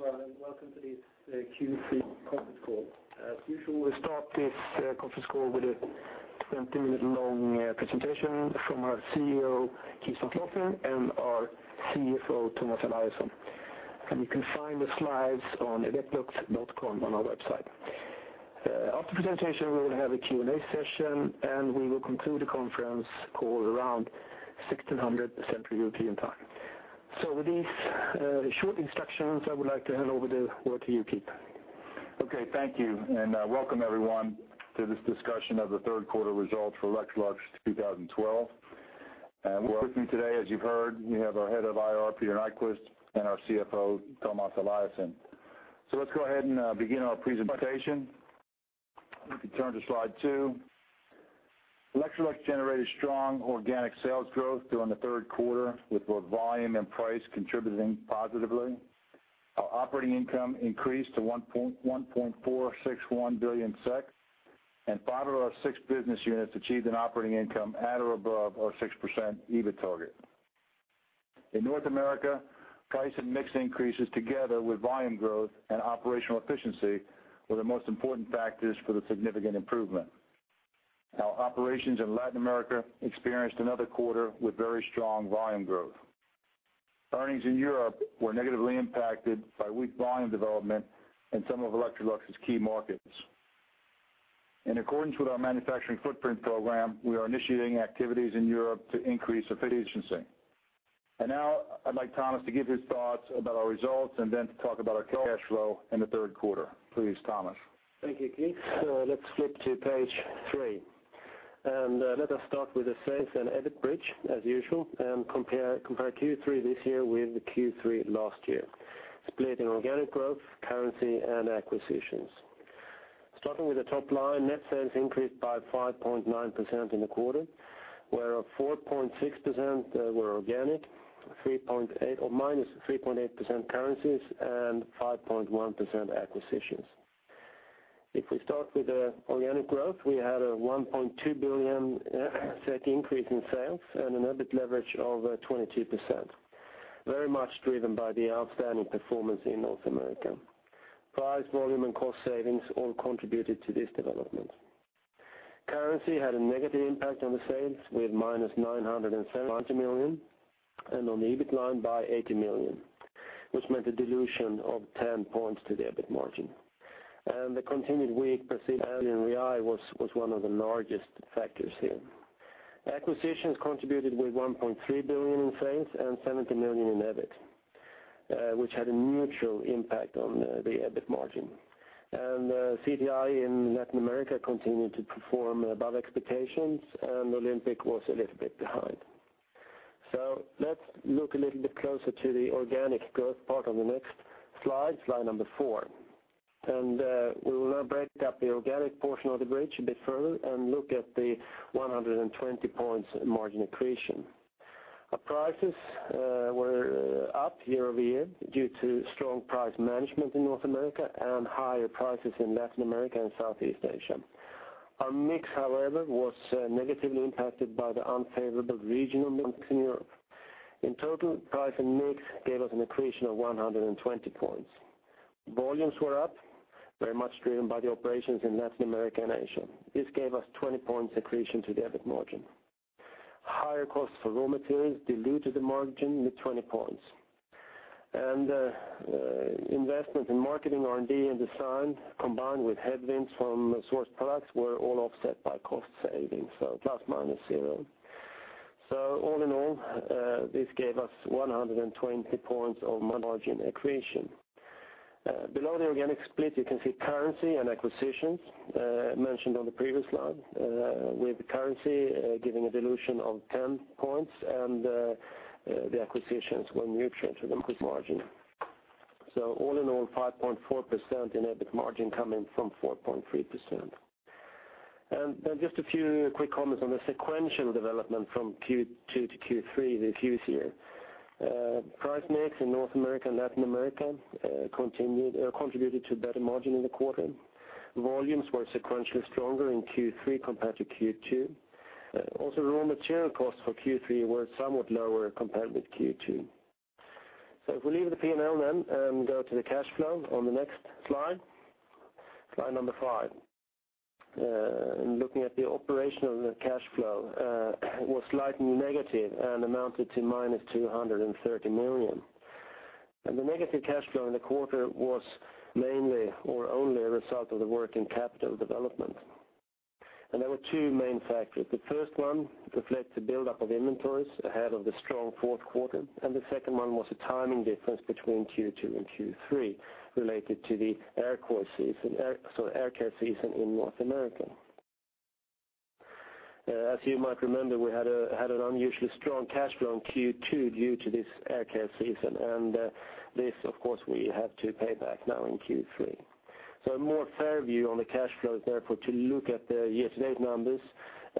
Good afternoon, everyone, and welcome to this Q3 conference call. As usual, we'll start this conference call with a 20-minute long presentation from our CEO, Keith McLoughlin, and our CFO, Tomas Eliasson. You can find the slides on Electrolux.com, on our website. After presentation, we will have a Q&A session, and we will conclude the conference call around 4:00 P.M. Central European time. With these short instructions, I would like to hand over the word to you, Keith. Okay, thank you, welcome everyone to this discussion of the third quarter results for Electrolux 2012. With me today, as you've heard, we have our Head of IR, Peter Nyquist, and our CFO, Tomas Eliasson. Let's go ahead and begin our presentation. You can turn to slide two. Electrolux generated strong organic sales growth during the third quarter, with both volume and price contributing positively. Our operating income increased to 1.461 billion SEK, and five of our six business units achieved an operating income at or above our 6% EBIT target. In North America, price and mix increases, together with volume growth and operational efficiency, were the most important factors for the significant improvement. Our operations in Latin America experienced another quarter with very strong volume growth. Earnings in Europe were negatively impacted by weak volume development in some of Electrolux's key markets. In accordance with our manufacturing footprint program, we are initiating activities in Europe to increase efficiency. Now I'd like Tomas to give his thoughts about our results, and then to talk about our cash flow in the third quarter. Please, Tomas. Thank you, Keith. Let's flip to page three. Let us start with the sales and EBIT bridge, as usual, and compare Q3 this year with Q3 last year, split in organic growth, currency, and acquisitions. Starting with the top line, net sales increased by 5.9% in the quarter, where of 4.6% were organic, -3.8% currencies, and 5.1% acquisitions. If we start with the organic growth, we had a 1.2 billion increase in sales and an EBIT leverage of 22%, very much driven by the outstanding performance in North America. Price, volume, and cost savings all contributed to this development. Currency had a negative impact on the sales, with -970 million, on the EBIT line by 80 million, which meant a dilution of 10 points to the EBIT margin. The continued weak Brazilian Real was one of the largest factors here. Acquisitions contributed with 1.3 billion in sales and 70 million in EBIT, which had a neutral impact on the EBIT margin. CTI in Latin America continued to perform above expectations, and Olympic was a little bit behind. Let's look a little bit closer to the organic growth part on the next slide number four. We will now break up the organic portion of the bridge a bit further and look at the 120 points margin accretion. Our prices were up year-over-year due to strong price management in North America and higher prices in Latin America and Southeast Asia. Our mix, however, was negatively impacted by the unfavorable regional mix in Europe. In total, price and mix gave us an accretion of 120 points. Volumes were up, very much driven by the operations in Latin America and Asia. This gave us 20 points accretion to the EBIT margin. Higher costs for raw materials diluted the margin with 20 points. Investment in marketing, R&D, and design, combined with headwinds from source products, were all offset by cost savings, so ±0. All in all, this gave us 120 points of margin accretion. Below the organic split, you can see currency and acquisitions mentioned on the previous slide, with currency giving a dilution of 10 points and the acquisitions were neutral to the margin. All in all, 5.4% in EBIT margin coming from 4.3%. Just a few quick comments on the sequential development from Q2 to Q3 this year. Price mix in North America and Latin America contributed to better margin in the quarter. Volumes were sequentially stronger in Q3 compared to Q2. Raw material costs for Q3 were somewhat lower compared with Q2. If we leave the P&L then and go to the cash flow on the next slide number five. Looking at the operational cash flow was slightly negative and amounted to minus 230 million. The negative cash flow in the quarter was mainly or only a result of the working capital development. There were two main factors. The first one reflects the buildup of inventories ahead of the strong fourth quarter, and the second one was a timing difference between Q2 and Q3 related to the air care season in North America. As you might remember, we had an unusually strong cash flow in Q2 due to this air care season, and this, of course, we have to pay back now in Q3. A more fair view on the cash flow is therefore to look at the year-to-date numbers.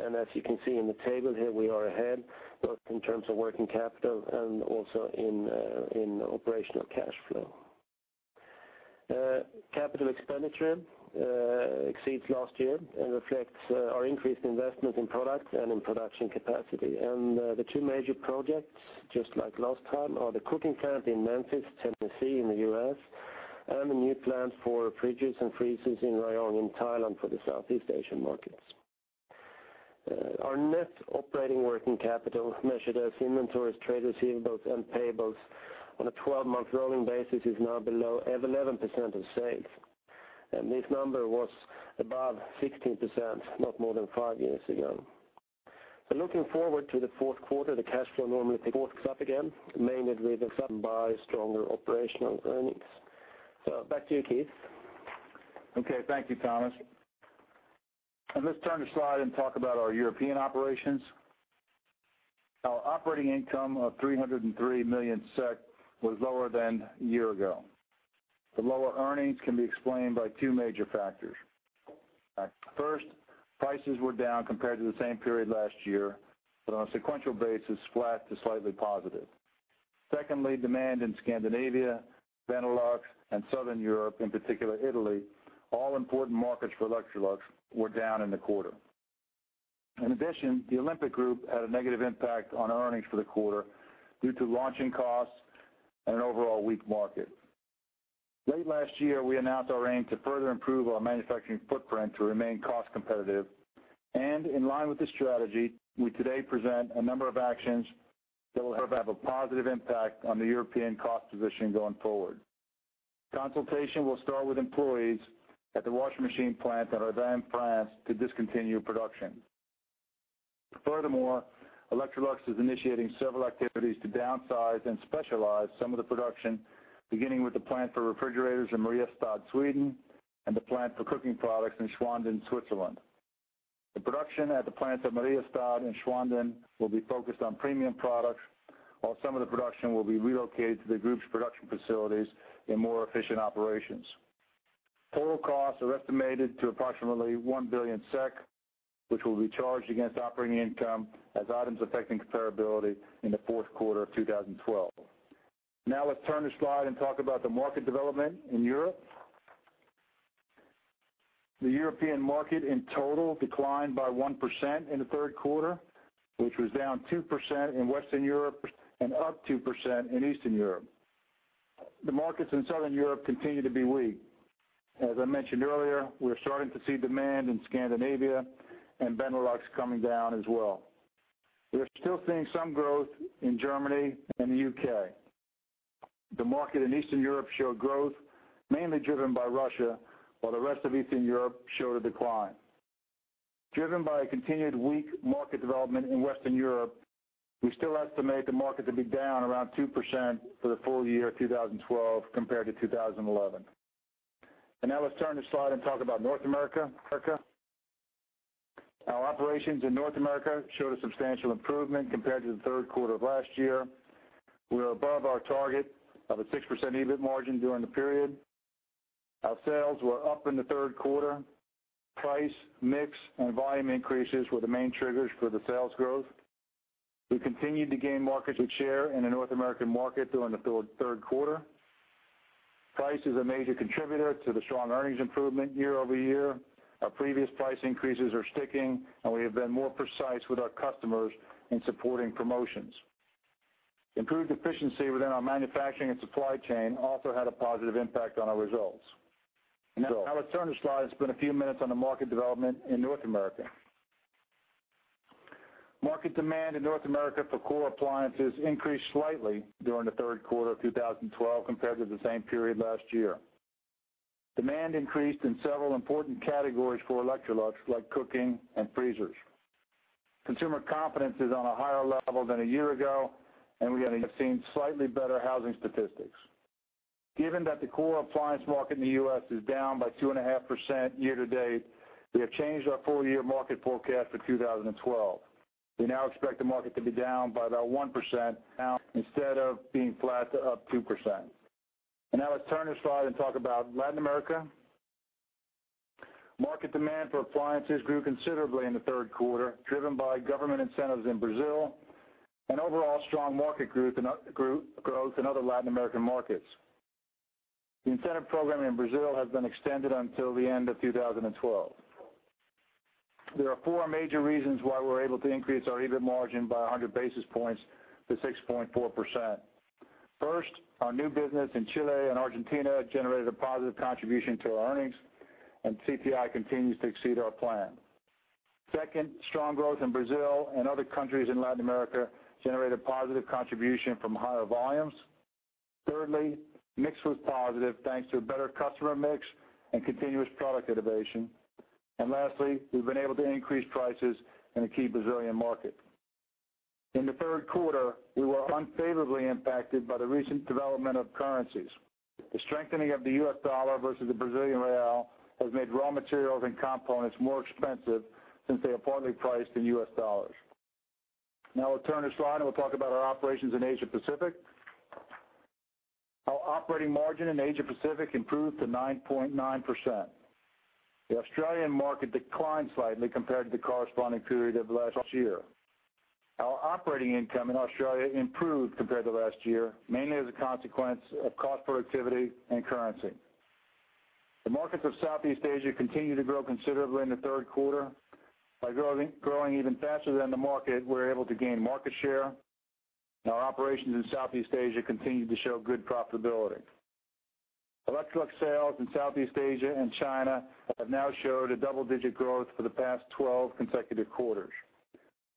As you can see in the table here, we are ahead, both in terms of working capital and also in operational cash flow. Capital expenditure exceeds last year and reflects our increased investment in product and in production capacity. The two major projects, just like last time, are the cooking plant in Memphis, Tennessee, in the U.S., and the new plant for fridges and freezers in Rayong in Thailand, for the Southeast Asian markets. Our net operating working capital, measured as inventories, trade receivables, and payables on a 12-month rolling basis, is now below 11% of sales, and this number was above 16% not more than five years ago. Looking forward to the fourth quarter, the cash flow normally picks up again, mainly driven by stronger operational earnings. Back to you, Keith. Okay. Thank you, Tomas. Let's turn the slide and talk about our European operations. Our operating income of 303 million SEK was lower than a year ago. The lower earnings can be explained by two major factors. First, prices were down compared to the same period last year, but on a sequential basis, flat to slightly positive. Secondly, demand in Scandinavia, Benelux, and Southern Europe, in particular Italy, all important markets for Electrolux, were down in the quarter. In addition, the Olympic Group had a negative impact on earnings for the quarter due to launching costs and an overall weak market. Late last year, we announced our aim to further improve our manufacturing footprint to remain cost competitive. In line with this strategy, we today present a number of actions that will have a positive impact on the European cost position going forward. Consultation will start with employees at the washing machine plant at Redon, France, to discontinue production. Furthermore, Electrolux is initiating several activities to downsize and specialize some of the production, beginning with the plant for refrigerators in Mariestad, Sweden, and the plant for cooking products in Schwanden, Switzerland. The production at the plants at Mariestad and Schwanden will be focused on premium products, while some of the production will be relocated to the group's production facilities in more efficient operations. Total costs are estimated to approximately 1 billion SEK, which will be charged against operating income as items affecting comparability in the fourth quarter of 2012. Let's turn the slide and talk about the market development in Europe. The European market in total declined by 1% in the third quarter, which was down 2% in Western Europe and up 2% in Eastern Europe. The markets in Southern Europe continue to be weak. As I mentioned earlier, we are starting to see demand in Scandinavia and Benelux coming down as well. We are still seeing some growth in Germany and the UK. The market in Eastern Europe showed growth, mainly driven by Russia, while the rest of Eastern Europe showed a decline. Driven by a continued weak market development in Western Europe, we still estimate the market to be down around 2% for the full year 2012 compared to 2011. Now let's turn the slide and talk about North America. Our operations in North America showed a substantial improvement compared to the third quarter of last year. We are above our target of a 6% EBIT margin during the period. Our sales were up in the third quarter. Price, mix, and volume increases were the main triggers for the sales growth. We continued to gain market share in the North American market during the third quarter. Price is a major contributor to the strong earnings improvement year-over-year. Our previous price increases are sticking, and we have been more precise with our customers in supporting promotions. Improved efficiency within our manufacturing and supply chain also had a positive impact on our results. Let's turn the slide and spend a few minutes on the market development in North America. Market demand in North America for core appliances increased slightly during the third quarter of 2012 compared to the same period last year. Demand increased in several important categories for Electrolux, like cooking and freezers. Consumer confidence is on a higher level than a year ago, and we have seen slightly better housing statistics. Given that the core appliance market in the U.S. is down by 2.5% year-to-date, we have changed our full year market forecast for 2012. We now expect the market to be down by about 1% now, instead of being flat to up 2%. Now let's turn this slide and talk about Latin America. Market demand for appliances grew considerably in the third quarter, driven by government incentives in Brazil and overall strong market growth in other Latin American markets. The incentive program in Brazil has been extended until the end of 2012. There are four major reasons why we're able to increase our EBIT margin by 100 basis points to 6.4%. Our new business in Chile and Argentina generated a positive contribution to our earnings, and CTI continues to exceed our plan. Strong growth in Brazil and other countries in Latin America generated positive contribution from higher volumes. Mix was positive, thanks to a better customer mix and continuous product innovation. Lastly, we've been able to increase prices in the key Brazilian market. In the third quarter, we were unfavorably impacted by the recent development of currencies. The strengthening of the U.S. dollar versus the Brazilian real has made raw materials and components more expensive since they are partly priced in U.S. dollars. Let's turn this slide, and we'll talk about our operations in Asia Pacific. Our operating margin in Asia Pacific improved to 9.9%. The Australian market declined slightly compared to the corresponding period of last year. Our operating income in Australia improved compared to last year, mainly as a consequence of cost productivity and currency. The markets of Southeast Asia continued to grow considerably in the third quarter. By growing even faster than the market, we're able to gain market share, and our operations in Southeast Asia continued to show good profitability. Electrolux sales in Southeast Asia and China have now showed a double-digit growth for the past 12 consecutive quarters.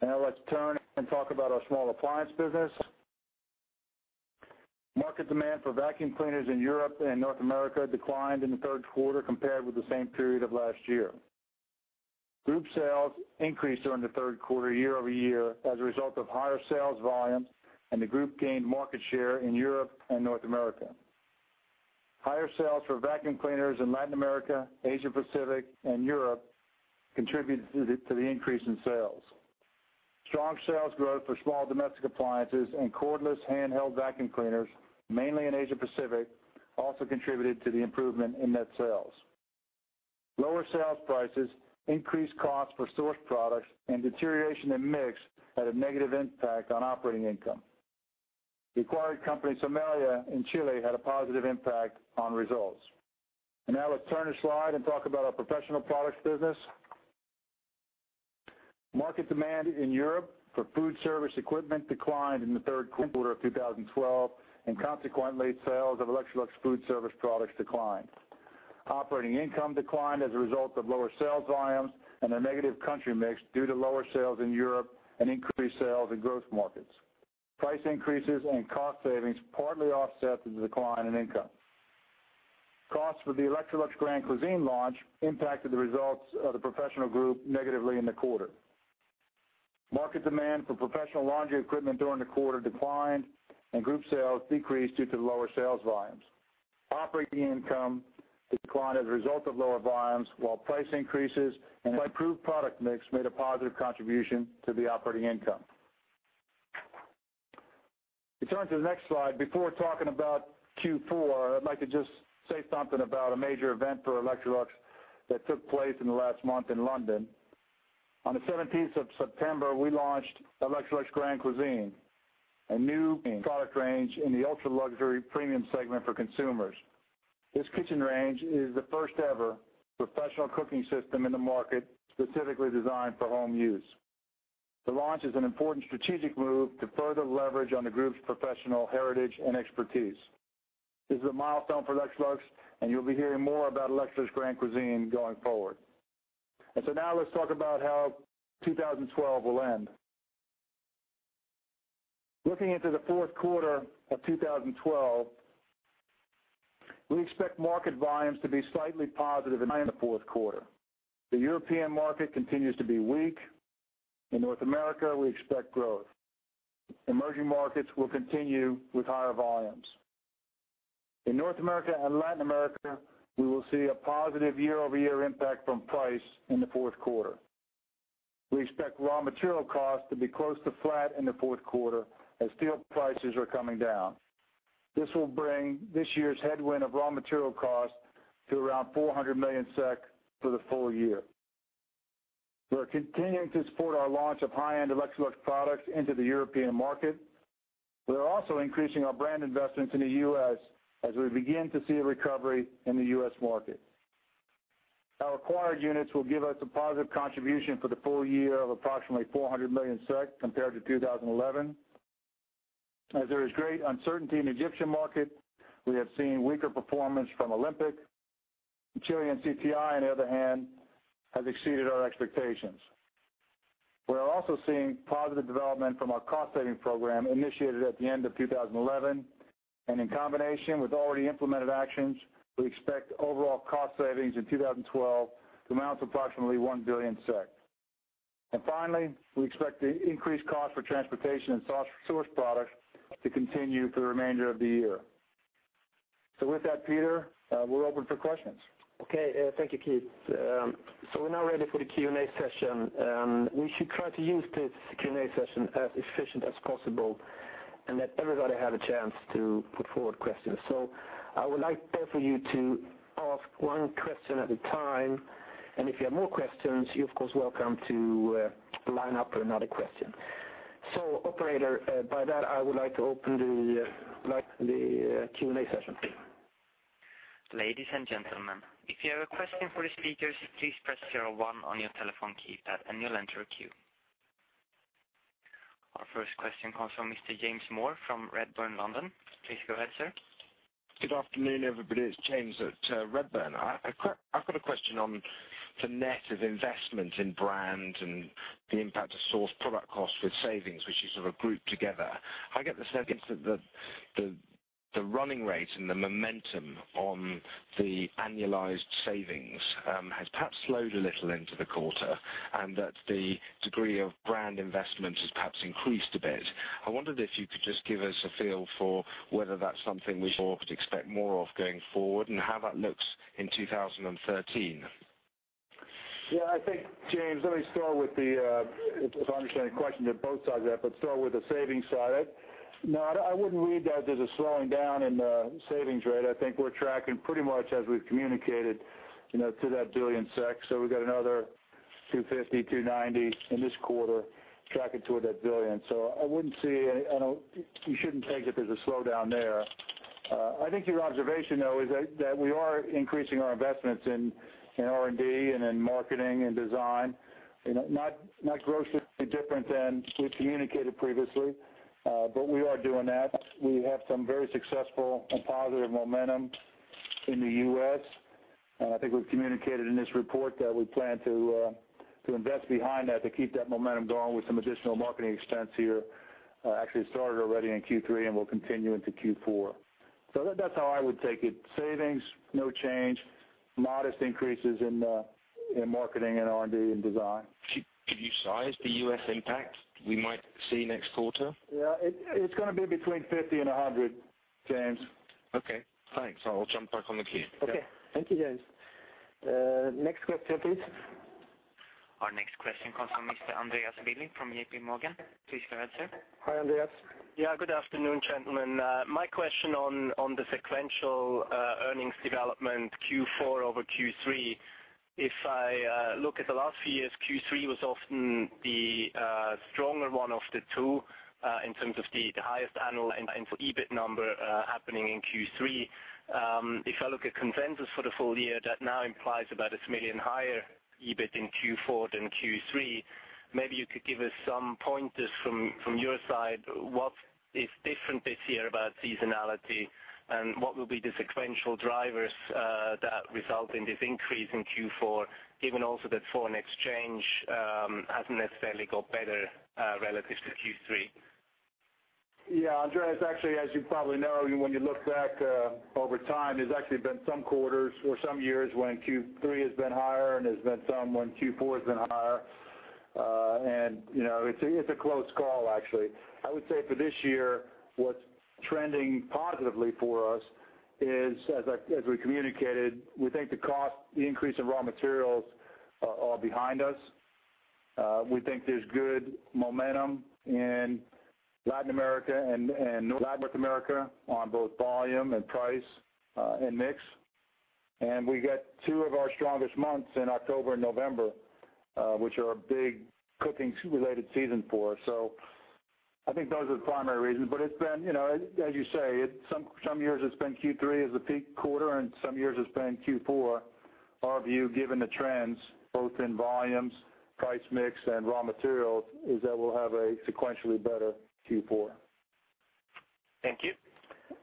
Let's turn and talk about our small appliance business. Market demand for vacuum cleaners in Europe and North America declined in the third quarter compared with the same period of last year. Group sales increased during the third quarter year-over-year as a result of higher sales volumes, and the group gained market share in Europe and North America. Higher sales for vacuum cleaners in Latin America, Asia Pacific, and Europe contributed to the increase in sales. Strong sales growth for small domestic appliances and cordless handheld vacuum cleaners, mainly in Asia Pacific, also contributed to the improvement in net sales. Lower sales prices, increased costs for source products, and deterioration in mix had a negative impact on operating income. The acquired company, Somela in Chile, had a positive impact on results. Now let's turn the slide and talk about our professional products business. Market demand in Europe for food service equipment declined in the third quarter of 2012. Consequently, sales of Electrolux food service products declined. Operating income declined as a result of lower sales volumes and a negative country mix due to lower sales in Europe and increased sales in growth markets. Price increases and cost savings partly offset the decline in income. Costs for the Electrolux Grand Cuisine launch impacted the results of the professional group negatively in the quarter. Market demand for professional laundry equipment during the quarter declined. Group sales decreased due to lower sales volumes. Operating income declined as a result of lower volumes, while price increases and improved product mix made a positive contribution to the operating income. We turn to the next slide. Before talking about Q4, I'd like to just say something about a major event for Electrolux that took place in the last month in London. On the September 17th, we launched Electrolux Grand Cuisine, a new product range in the ultra-luxury premium segment for consumers. This kitchen range is the first-ever professional cooking system in the market, specifically designed for home use. The launch is an important strategic move to further leverage on the group's professional heritage and expertise. This is a milestone for Electrolux, and you'll be hearing more about Electrolux Grand Cuisine going forward. Now let's talk about how 2012 will end. Looking into the fourth quarter of 2012, we expect market volumes to be slightly positive in the fourth quarter. The European market continues to be weak. In North America, we expect growth. Emerging markets will continue with higher volumes. In North America and Latin America, we will see a positive year-over-year impact from price in the fourth quarter. We expect raw material costs to be close to flat in the fourth quarter as steel prices are coming down. This will bring this year's headwind of raw material costs to around 400 million SEK for the full year. We are continuing to support our launch of high-end Electrolux products into the European market. We are also increasing our brand investments in the U.S. as we begin to see a recovery in the U.S. market. Our acquired units will give us a positive contribution for the full year of approximately 400 million SEK compared to 2011. As there is great uncertainty in the Egyptian market, we have seen weaker performance from Olympic. Chilean CTI, on the other hand, has exceeded our expectations. We are also seeing positive development from our cost-saving program initiated at the end of 2011, and in combination with already implemented actions, we expect overall cost savings in 2012 to amount to approximately 1 billion SEK. Finally, we expect the increased cost for transportation and source products to continue for the remainder of the year. With that, Peter, we're open for questions. Okay, thank you, Keith. We're now ready for the Q&A session, and we should try to use this Q&A session as efficient as possible and let everybody have a chance to put forward questions. I would like there for you to ask one question at a time, and if you have more questions, you're of course, welcome to line up another question. Operator, by that, I would like to open the Q&A session. Ladies and gentlemen, if you have a question for the speakers, please press zero one on your telephone keypad, you'll enter a queue. Our first question comes from Mr. James Moore from Redburn, London. Please go ahead, sir. Good afternoon, everybody. It's James at Redburn. I've got a question on the net of investment in brand and the impact of source product costs with savings, which you sort of grouped together. I get the sense that the running rate and the momentum on the annualized savings has perhaps slowed a little into the quarter, and that the degree of brand investment has perhaps increased a bit. I wondered if you could just give us a feel for whether that's something we should expect more of going forward and how that looks in 2013. I think, James, let me start with the, if I understand the question, there are both sides of that, but start with the savings side. I wouldn't read that as a slowing down in the savings rate. I think we're tracking pretty much as we've communicated, you know, to that 1 billion SEK. We've got another 250 million, 290 million in this quarter, tracking toward that 1 billion. I wouldn't say, you shouldn't take it as a slowdown there. I think your observation, though, is that we are increasing our investments in R&D and in marketing and design. You know, not grossly different than we've communicated previously, but we are doing that. We have some very successful and positive momentum in the U.S., and I think we've communicated in this report that we plan to invest behind that, to keep that momentum going with some additional marketing expense here. Actually, it started already in Q3 and will continue into Q4. That's how I would take it. Savings, no change, modest increases in marketing and R&D and design. Could you size the U.S. impact we might see next quarter? Yeah, it's gonna be between 50 and 100, James. Okay, thanks. I'll jump back on the queue. Okay. Thank you, James. Next question, please. Our next question comes from Mr. Andreas Willi from JPMorgan. Please, go ahead, sir. Hi, Andreas. Yeah, good afternoon, gentlemen. My question on the sequential earnings development Q4 over Q3, if I look at the last few years, Q3 was often the stronger one of the two, in terms of the highest annual and for EBIT number, happening in Q3. If I look at consensus for the full year, that now implies about 1 million higher EBIT in Q4 than Q3. Maybe you could give us some pointers from your side, what is different this year about seasonality, and what will be the sequential drivers that result in this increase in Q4, given also that foreign exchange hasn't necessarily got better relative to Q3? Yeah, Andreas, actually, as you probably know, when you look back over time, there's actually been some quarters or some years when Q3 has been higher and there's been some when Q4 has been higher. You know, it's a, it's a close call, actually. I would say for this year, what's trending positively for us is, as we communicated, we think the cost, the increase in raw materials are behind us. We think there's good momentum in Latin America and North America on both volume and price and mix. We got two of our strongest months in October and November, which are a big cooking-related season for us. I think those are the primary reasons. It's been, you know, as you say, some years it's been Q3 as the peak quarter, and some years it's been Q4. Our view, given the trends both in volumes, price mix, and raw materials, is that we'll have a sequentially better Q4. Thank you.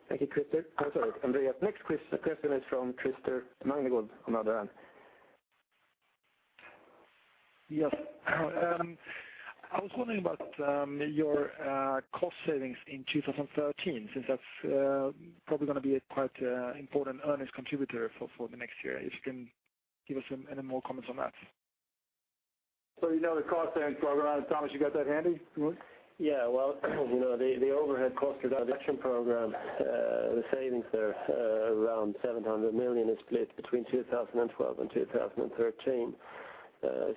Thank you, Christer. I'm sorry, Andreas. Next question is from Christer Magnergård on the line. Yes. I was wondering about your cost savings in 2013, since that's probably gonna be a quite important earnings contributor for the next year. If you can give us some, any more comments on that? You know the cost savings program. Tomas, you got that handy? Well, you know, the overhead cost reduction program, the savings there, around 700 million is split between 2012 and 2013.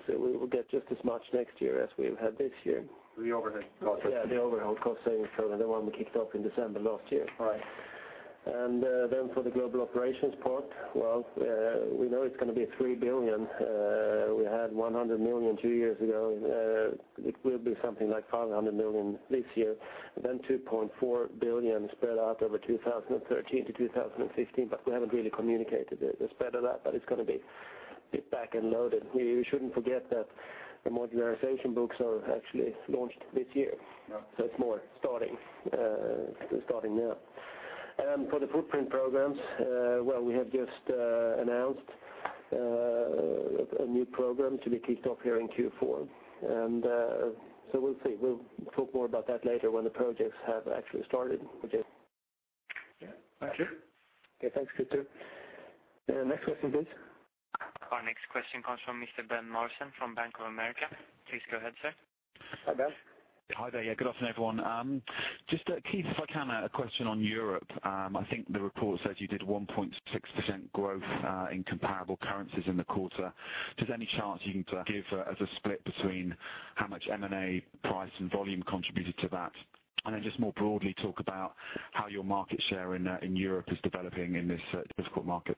We will get just as much next year as we've had this year. The overhead cost? Yeah, the overhead cost savings program, the one we kicked off in December last year. Right. Then for the global operations part, well, we know it's gonna be 3 billion. We had 100 million two years ago. It will be something like 500 million this year, and then 2.4 billion spread out over 2013 to 2015, but we haven't really communicated the spread of that, but it's gonna be big back-end loaded. We shouldn't forget that the modularization books are actually launched this year. Yeah. it's more starting now. For the footprint programs, well, we have just announced a new program to be kicked off here in Q4, we'll see. We'll talk more about that later when the projects have actually started. Okay? Yeah. Thank you. Okay, thanks, Christer. Next question, please. Our next question comes from Mr. Ben Maslen from Bank of America. Please go ahead, sir. Hi, Ben. Hi there. Yeah, good afternoon, everyone. Just, Keith, if I can, a question on Europe. I think the report says you did 1.6% growth in comparable currencies in the quarter. Does any chance you can give as a split between how much M&A price and volume contributed to that? Then just more broadly, talk about how your market share in Europe is developing in this difficult market.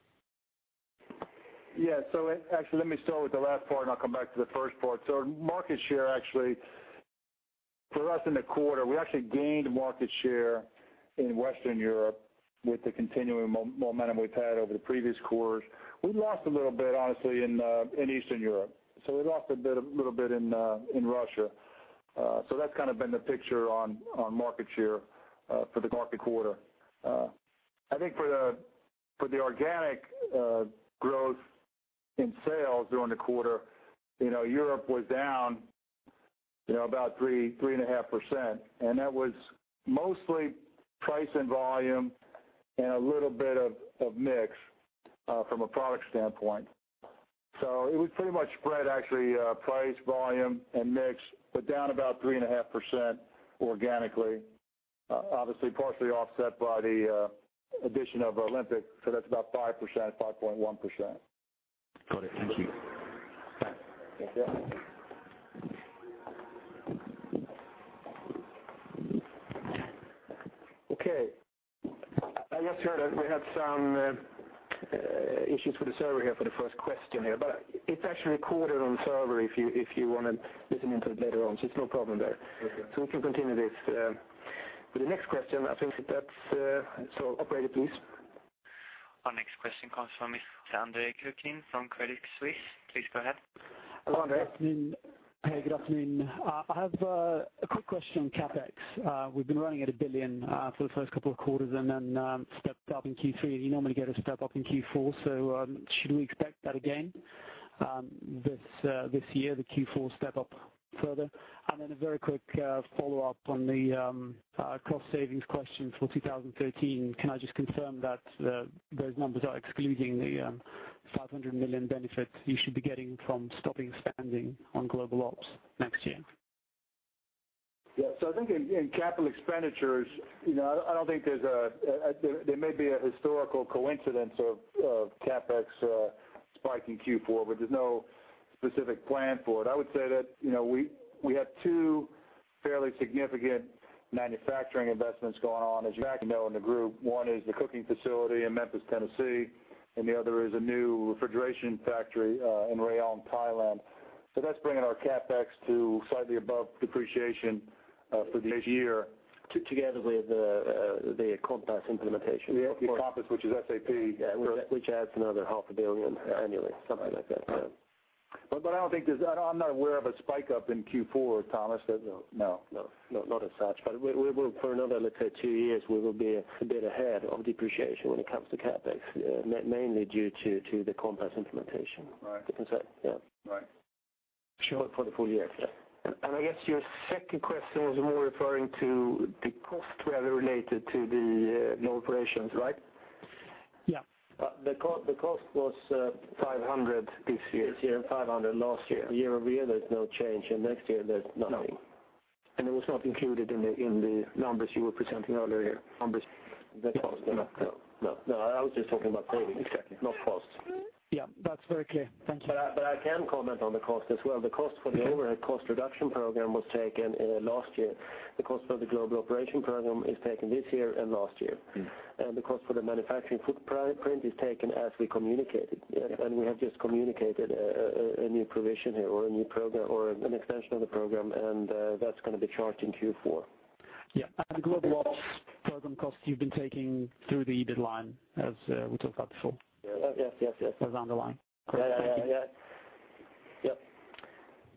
Actually, let me start with the last part, and I'll come back to the first part. Market share, actually, for us in the quarter, we actually gained market share in Western Europe with the continuing momentum we've had over the previous quarters. We lost a little bit, honestly, in Eastern Europe. We lost a little bit in Russia. That's kind of been the picture on market share for the quarter. I think for the organic growth in sales during the quarter, you know, Europe was down, you know, about 3.5%, and that was mostly price and volume and a little bit of mix from a product standpoint. It was pretty much spread actually, price, volume, and mix, but down about 3.5% organically. Obviously, partially offset by the addition of Olympic, so that's about 5%, 5.1%. Got it. Thank you. Bye. Thank you. I just heard that we had some issues with the server here for the first question here, but it's actually recorded on server if you, if you want to listen into it later on, so it's no problem there. Okay. We can continue this. For the next question, I think that's it. Operator, please. Our next question comes from Mr. Andre Kukhnin from Credit Suisse. Please go ahead. Andre? Hey, good afternoon. I have a quick question on CapEx. We've been running at 1 billion for the first couple of quarters and then stepped up in Q3, and you normally get a step up in Q4. Should we expect that again this year, the Q4 step up further? A very quick follow-up on the cost savings question for 2013. Can I just confirm that those numbers are excluding the 500 million benefit you should be getting from stopping spending on Global Ops next year? Yeah. I think in capital expenditures, you know, I don't think there's a historical coincidence of CapEx spike in Q4, but there's no specific plan for it. I would say that, you know, we have two fairly significant manufacturing investments going on, as you know, in the group. One is the cooking facility in Memphis, Tennessee, and the other is a new refrigeration factory in Rayong, Thailand. That's bringing our CapEx to slightly above depreciation for this year. Together with the Compass implementation. The Compass, which is SAP. Which adds another 500 million annually, something like that, yeah. I don't think there's, I'm not aware of a spike up in Q4, Tomas. No. No. No, not as such. We will for another, let's say, two years, we will be a bit ahead of depreciation when it comes to CapEx, mainly due to the Compass implementation. Right. Yeah. Right. Sure, for the full year. Yeah. I guess your second question was more referring to the cost rather related to the global operations, right? Yeah. The cost was. This year. This year, 500 million last year. Year-over-year, there's no change, and next year, there's nothing. No. It was not included in the numbers you were presenting earlier? Numbers? The cost, no. No, no, I was just talking about savings- Exactly. not cost. Yeah, that's very clear. Thank you. I can comment on the cost as well. The cost for the overhead cost reduction program was taken in last year. The cost for the global operation program is taken this year and last year. Mm-hmm. The cost for the manufacturing footprint is taken as we communicated. Yeah. We have just communicated a new provision here or a new program, or an extension of the program, and that's going to be charged in Q4. Yeah, the Global Ops program costs you've been taking through the EBITDA line, as we talked about before. Yes. Yes, yes. As underlying. Yeah, yeah. Yep.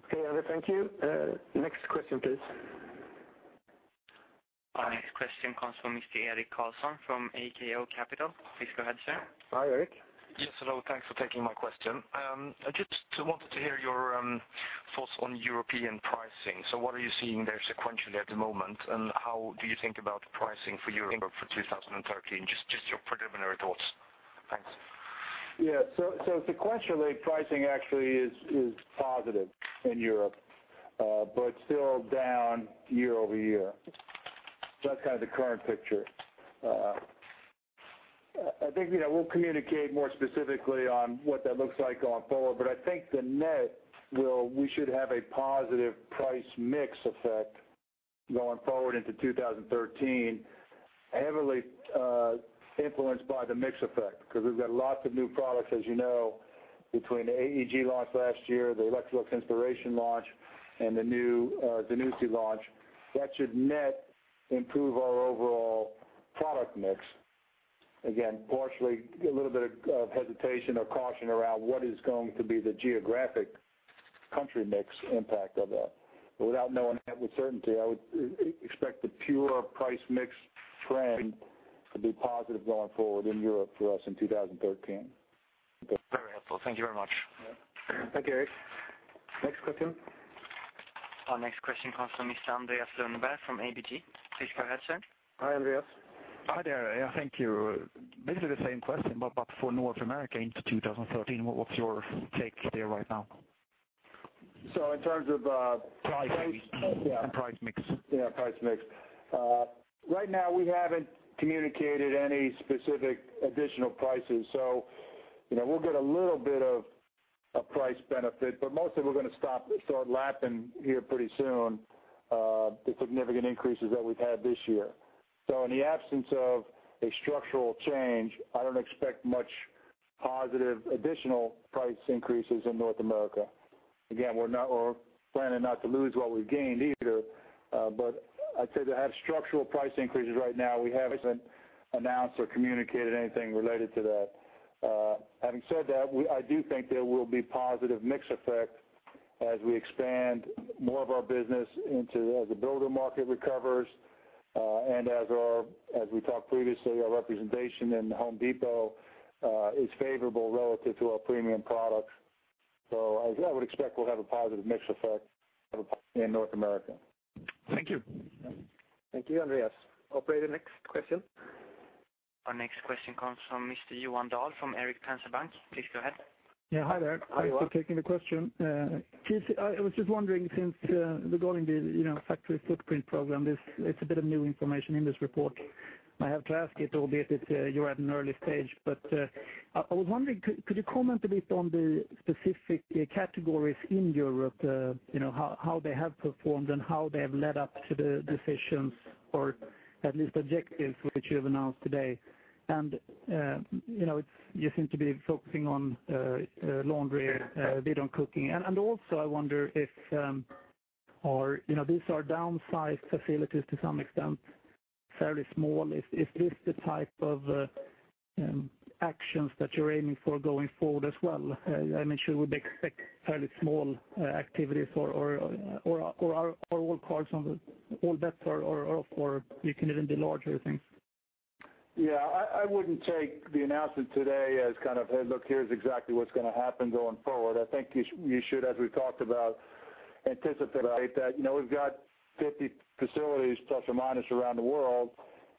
Okay, thank you. Next question, please. Our next question comes from Mr. Erik Karlsson from AKO Capital. Please go ahead, sir. Hi, Erik. Yes, hello, thanks for taking my question. I just wanted to hear your thoughts on European pricing. What are you seeing there sequentially at the moment, and how do you think about pricing for Europe for 2013? Just your preliminary thoughts. Thanks. Yeah, sequentially, pricing actually is positive in Europe, but still down year-over-year. That's kind of the current picture. I think, you know, we'll communicate more specifically on what that looks like going forward, but I think the net we should have a positive price mix effect going forward into 2013, heavily influenced by the mix effect, because we've got lots of new products, as you know, between the AEG launch last year, the Electrolux Inspiration launch, and the new Zanussi launch. That should net improve our overall product mix. Again, partially a little bit of hesitation or caution around what is going to be the geographic country mix impact of that. Without knowing that with certainty, I would expect the pure price mix trend to be positive going forward in Europe for us in 2013. Very helpful. Thank you very much. Yeah. Thank you, Erik. Next question. Our next question comes from Mr. Andreas Lönnerborg from ABG. Please go ahead, sir. Hi, Andreas. Hi there. Yeah, thank you. Basically, the same question, but for North America into 2013, what's your take there right now? In terms of. Pricing. Yeah. Price mix. Yeah, price mix. Right now, we haven't communicated any specific additional prices, so, you know, we'll get a little bit of a price benefit, but mostly we're going to stop, start lapping here pretty soon, the significant increases that we've had this year. In the absence of a structural change, I don't expect much positive additional price increases in North America. Again, we're planning not to lose what we've gained either, but I'd say to have structural price increases right now, we haven't announced or communicated anything related to that. Having said that, I do think there will be positive mix effect as we expand more of our business into as the builder market recovers, and as our, as we talked previously, our representation in Home Depot is favorable relative to our premium products. I would expect we'll have a positive mix effect in North America. Thank you. Thank you, Andreas. Operator, next question. Our next question comes from Mr. Johan Dahl from Erik Penser Bank. Please go ahead. Yeah, hi there. Hi, Johan. Thanks for taking the question. Please, I was just wondering, since, we're going the, you know, manufacturing footprint program, this, it's a bit of new information in this report. I have to ask it, albeit it, you're at an early stage. I was wondering, could you comment a bit on the specific categories in Europe? You know, how they have performed and how they have led up to the decisions, or at least objectives, which you have announced today. You know, you seem to be focusing on laundry, a bit on cooking. Also, I wonder if, you know, these are downsized facilities to some extent, fairly small. Is this the type of actions that you're aiming for going forward as well? I mean, should we expect fairly small activities for or are all bets off, or you can even do larger things? Yeah. I wouldn't take the announcement today as kind of, "Hey, look, here's exactly what's gonna happen going forward." I think you should, as we've talked about, anticipate that, you know, we've got 50 facilities, plus or minus, around the world.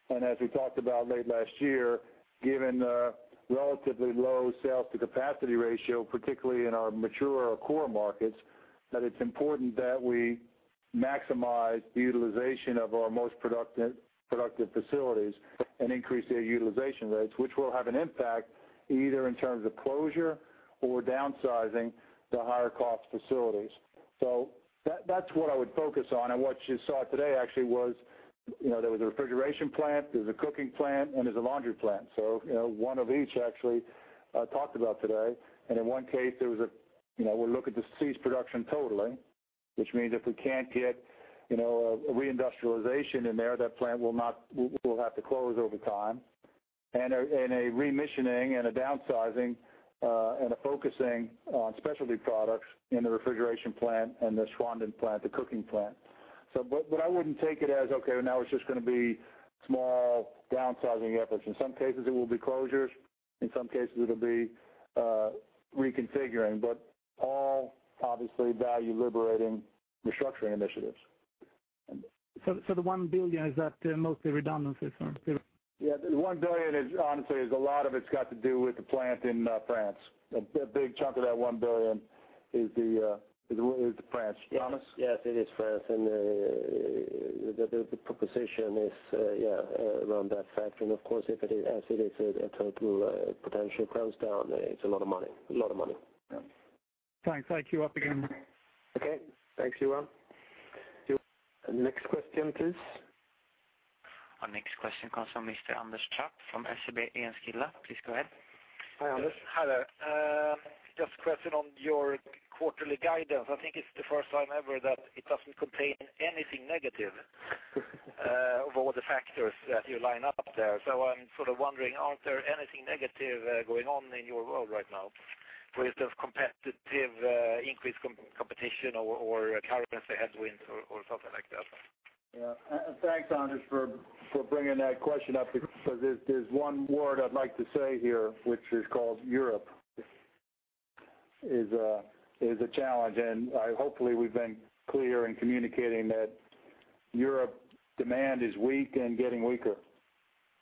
As we talked about late last year, given the relatively low sales to capacity ratio, particularly in our mature or core markets, that it's important that we maximize the utilization of our most productive facilities, and increase their utilization rates. Which will have an impact, either in terms of closure or downsizing the higher cost facilities. That's what I would focus on. What you saw today actually was, you know, there was a refrigeration plant, there was a cooking plant, and there's a laundry plant. You know, one of each actually, talked about today. In one case, there was a, you know, we're looking to cease production totally, which means if we can't get, you know, reindustrialization in there, that plant we'll have to close over time. A re-missioning, and a downsizing, and a focusing on specialty products in the refrigeration plant and the Schwanden plant, the cooking plant. But I wouldn't take it as, "Okay, now it's just gonna be small downsizing efforts." In some cases, it will be closures. In some cases, it'll be reconfiguring, but all obviously value-liberating restructuring initiatives. The 1 billion, is that mostly redundancies or? Yeah, the 1 billion is, honestly, a lot of it's got to do with the plant in France. A big chunk of that 1 billion is France. Tomas? Yes, it is France. The proposition is around that fact. Of course, if it is, as it is a total potential close down, it's a lot of money. A lot of money. Thanks. I'll queue up again. Okay. Thanks, Johan. Next question, please. Our next question comes from Mr. Anders Trapp from SEB Enskilda. Please go ahead. Hi, Anders. Hi there. Just a question on your quarterly guidance. I think it's the first time ever that it doesn't contain anything negative of all the factors that you line up there. I'm sort of wondering, aren't there anything negative going on in your world right now? For instance, competitive, increased competition or currency headwinds or something like that. Yeah. Thanks, Anders, for bringing that question up, because there's one word I'd like to say here, which is called Europe, is a challenge. Hopefully, we've been clear in communicating that Europe demand is weak and getting weaker.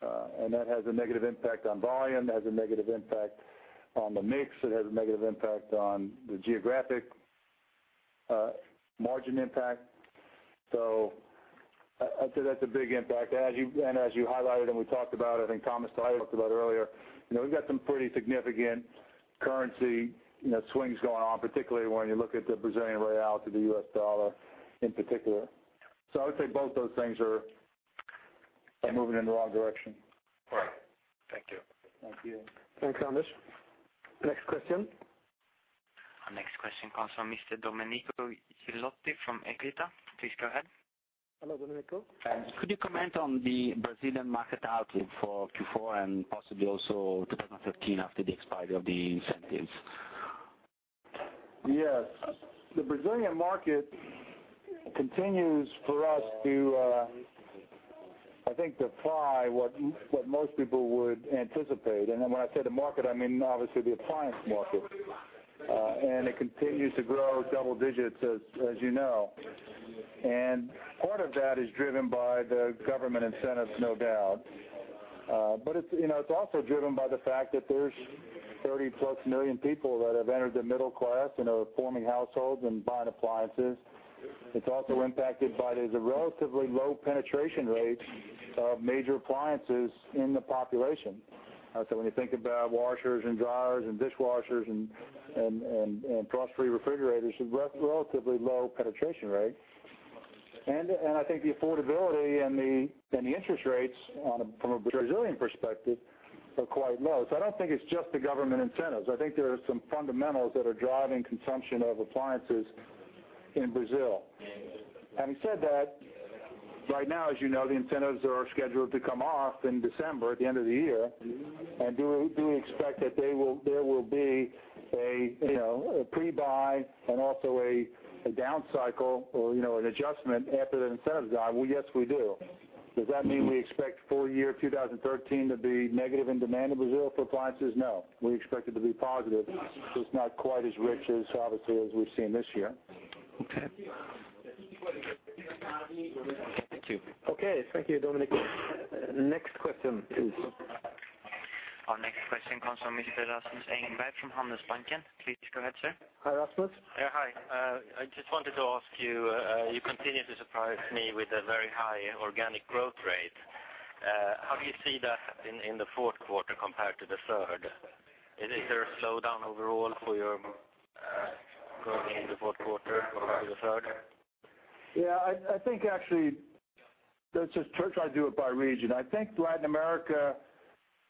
That has a negative impact on volume, it has a negative impact on the mix, it has a negative impact on the geographic margin impact. I'd say that's a big impact. As you highlighted, we talked about, I think Tomas talked about it earlier, you know, we've got some pretty significant currency, you know, swings going on, particularly when you look at the Brazilian real to the U.S. dollar, in particular. I would say both those things are moving in the wrong direction. All right. Thank you. Thank you. Thanks, Anders. Next question? Our next question comes from Mr. Domenico Ghilotti from Equita. Please go ahead. Hello, Domenico. Could you comment on the Brazilian market outlook for Q4 and possibly also 2013 after the expiry of the incentives? Yes. The Brazilian market continues for us to, I think, defy what most people would anticipate. When I say the market, I mean, obviously, the appliance market. It continues to grow double digits, as you know. Part of that is driven by the government incentives, no doubt. It's, you know, it's also driven by the fact that there's 30+ million people that have entered the middle class and are forming households and buying appliances. It's also impacted by the relatively low penetration rate of major appliances in the population. When you think about washers, and dryers, and dishwashers, and frost-free refrigerators, it's a relatively low penetration rate. I think the affordability and the interest rates from a Brazilian perspective are quite low. I don't think it's just the government incentives. I think there are some fundamentals that are driving consumption of appliances in Brazil. Having said that, right now, as you know, the incentives are scheduled to come off in December, at the end of the year. Do we expect that there will be a, you know, a pre-buy and also a down cycle or, you know, an adjustment after the incentives are out? Well, yes, we do. Does that mean we expect full year 2013 to be negative in demand in Brazil for appliances? No, we expect it to be positive. Just not quite as rich as, obviously, as we've seen this year. Okay. Thank you. Okay. Thank you, Domenico. Next question, please. Our next question comes from Mr. Rasmus Engberg from Handelsbanken. Please go ahead, sir. Hi, Rasmus. Yeah, hi. I just wanted to ask you continue to surprise me with a very high organic growth rate. How do you see that in the fourth quarter compared to the third? Is there a slowdown overall for your growth in the fourth quarter compared to the third? Yeah, I think actually, let's just try to do it by region. I think Latin America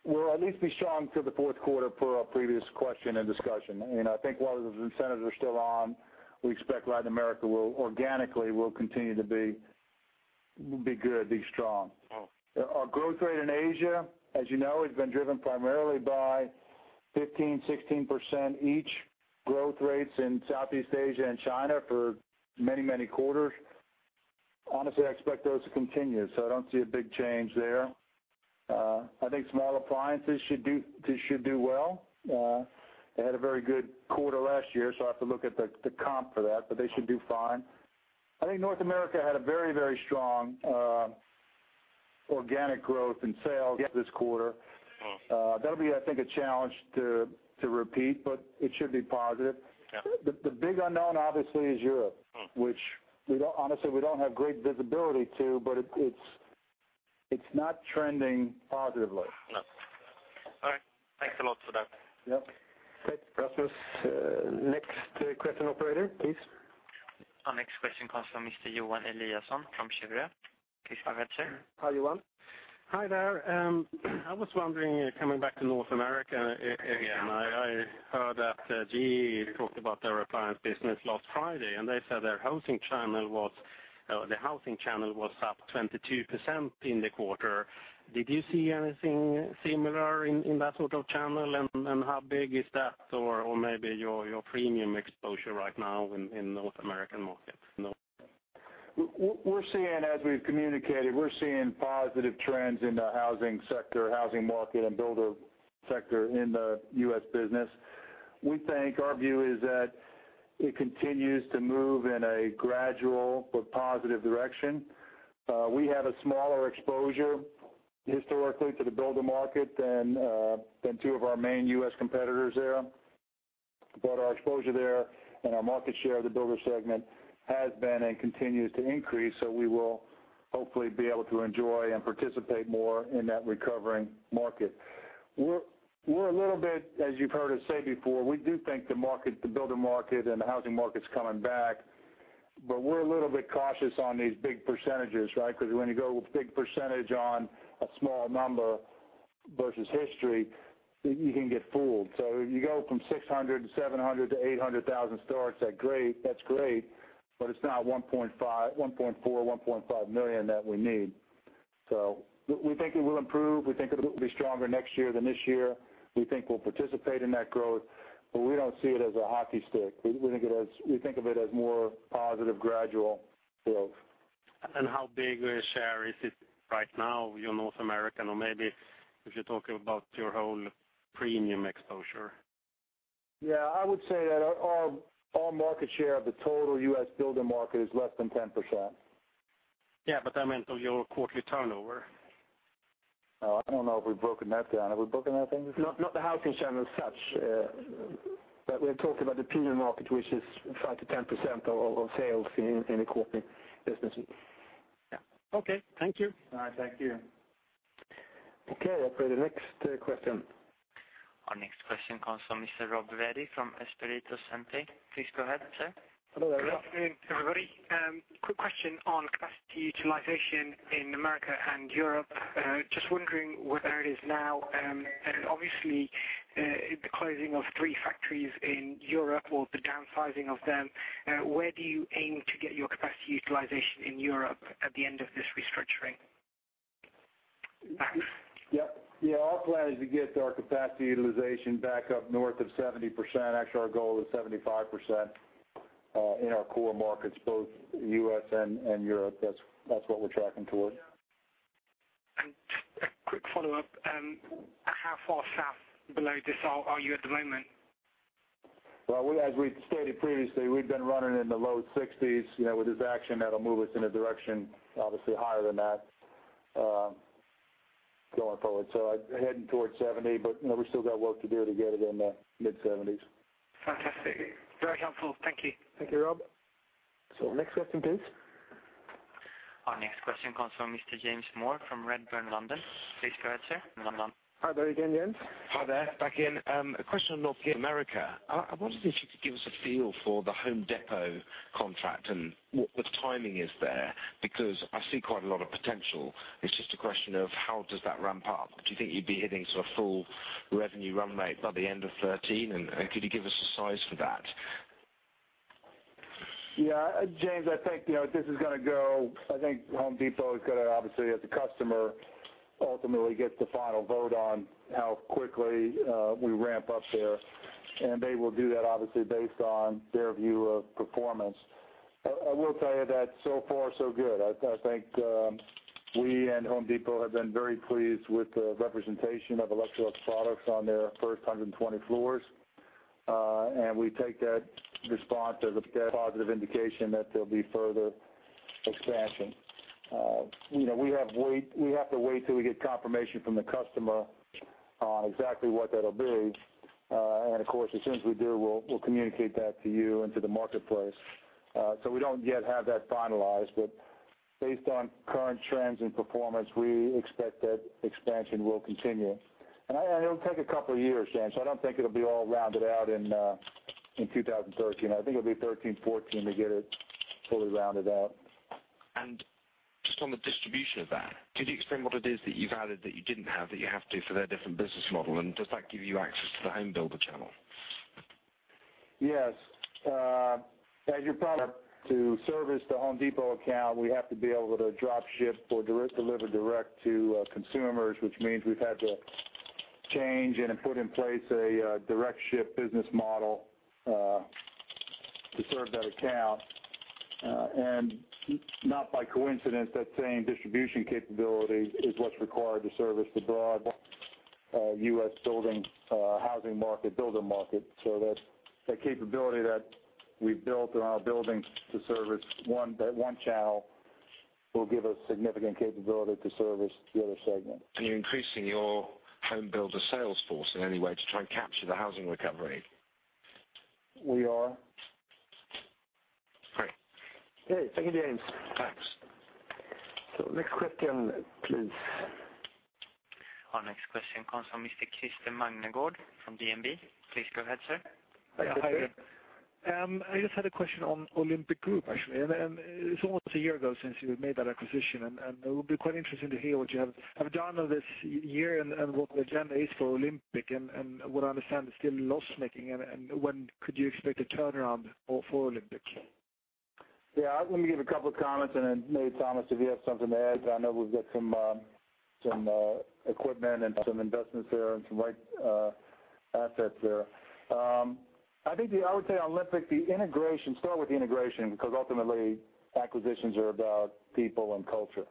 will at least be strong through the fourth quarter, per our previous question and discussion. I think while those incentives are still on, we expect Latin America will organically continue to be good, be strong. Oh. Our growth rate in Asia, as you know, has been driven primarily by 15%-16% each, growth rates in Southeast Asia and China for many, many quarters. Honestly, I expect those to continue, so I don't see a big change there. I think small appliances should do well. They had a very good quarter last year, so I have to look at the comp for that, but they should do fine. I think North America had a very strong organic growth in sales this quarter. Mm-hmm. That'll be, I think, a challenge to repeat, but it should be positive. Yeah. The big unknown, obviously, is Europe... Mm. Which we don't, honestly, we don't have great visibility to, but it's, it's not trending positively. No. All right, thanks a lot for that. Yep. Thanks, Rasmus. Next question, operator, please. Our next question comes from Mr. Johan Eliason from Cheuvreux. Please go ahead, sir. Hi, Johan. Hi there. I was wondering, coming back to North America again. I heard that GE talked about their appliance business last Friday. They said their housing channel was up 22% in the quarter. Did you see anything similar in that sort of channel, and how big is that, or maybe your premium exposure right now in North American markets? No. We're seeing, as we've communicated, we're seeing positive trends in the housing sector, housing market, and builder sector in the U.S. business. We think, our view is that it continues to move in a gradual but positive direction. We have a smaller exposure historically to the builder market than two of our main U.S. competitors there. Our exposure there and our market share of the builder segment has been and continues to increase. We will hopefully be able to enjoy and participate more in that recovering market. We're a little bit, as you've heard us say before, we do think the market, the builder market and the housing market's coming back, but we're a little bit cautious on these big percentages, right? Because when you go with big percentage on a small number versus history, you can get fooled. You go from 600,000 to 700,000 to 800,000 starts, that's great, but it's not 1.5 million, 1.4 million, 1.5 million that we need. We think it will improve. We think it'll be stronger next year than this year. We think we'll participate in that growth, but we don't see it as a hockey stick. We think of it as more positive, gradual growth. How big a share is it right now, your North American, or maybe if you're talking about your whole premium exposure? Yeah, I would say that our market share of the total U.S. builder market is less than 10%. Yeah, I meant of your quarterly turnover. Oh, I don't know if we've broken that down. Have we broken that down? Not the housing channel as such, but we're talking about the premium market, which is 5%-10% of sales in the corporate business. Yeah. Okay, thank you. All right, thank you. Okay, operator, next question. Our next question comes from Mr. Rob Virdee from Espirito Santo. Please go ahead, sir. Hello there, Rob. Good afternoon, everybody. Quick question on capacity utilization in America and Europe. Just wondering where it is now, and obviously, the closing of three factories in Europe or the downsizing of them, where do you aim to get your capacity utilization in Europe at the end of this restructuring? Thanks. Yep. Yeah, our plan is to get our capacity utilization back up north of 70%. Actually, our goal is 75% in our core markets, both U.S. and Europe. That's what we're tracking toward. Just a quick follow-up. How far south below this are you at the moment? Well, we, as we've stated previously, we've been running in the low 60s. You know, with this action, that'll move us in a direction, obviously higher than that, going forward. Heading towards 70, you know, we've still got work to do to get it in the mid-70s. Fantastic. Very helpful. Thank you. Thank you, Rob. Next question, please. Our next question comes from Mr. James Moore from Redburn, London. Please go ahead, sir, in London. Hi there again, James. Hi there. Back in a question on North America. I wondered if you could give us a feel for the Home Depot contract and what the timing is there, because I see quite a lot of potential. It's just a question of how does that ramp up? Do you think you'd be hitting sort of full revenue run rate by the end of 2013, and could you give us a size for that? James, I think, you know, I think Home Depot is gonna, obviously, as a customer, ultimately get the final vote on how quickly we ramp up there. They will do that obviously, based on their view of performance. I will tell you that so far, so good. I think, we and Home Depot have been very pleased with the representation of Electrolux products on their first 120 floors. We take that response as a positive indication that there'll be further expansion. You know, we have to wait till we get confirmation from the customer on exactly what that'll be. Of course, as soon as we do, we'll communicate that to you and to the marketplace. We don't yet have that finalized, but based on current trends and performance, we expect that expansion will continue. It'll take a couple of years, James. I don't think it'll be all rounded out in 2013. I think it'll be 2013, 2014 to get it fully rounded out. Just on the distribution of that, could you explain what it is that you've added, that you didn't have, that you have to for their different business model? Does that give you access to the home builder channel? As you're probably, to service the Home Depot account, we have to be able to drop ship or deliver direct-to-consumers, which means we've had to change and then put in place a direct-ship business model to serve that account. Not by coincidence, that same distribution capability is what's required to service the broad U.S. building, housing market, builder market. That capability that we've built in our building to service that one channel will give us significant capability to service the other segment. Are you increasing your home builder sales force in any way to try and capture the housing recovery? We are. Great. Okay. Thank you, James. Thanks. Next question, please. Our next question comes from Mr. Christer Magnergård from DNB. Please go ahead, sir. Hi there. I just had a question on Olympic Group, actually. It's almost a year ago since you made that acquisition, and it would be quite interesting to hear what you have done on this year and what the agenda is for Olympic, and what I understand is still loss-making, and when could you expect a turnaround for Olympic? Yeah, let me give a couple of comments, and then maybe, Tomas, if you have something to add. I know we've got some equipment and some investments there and some right assets there. I think I would say on Olympic, the integration, start with the integration, because ultimately, acquisitions are about people and culture.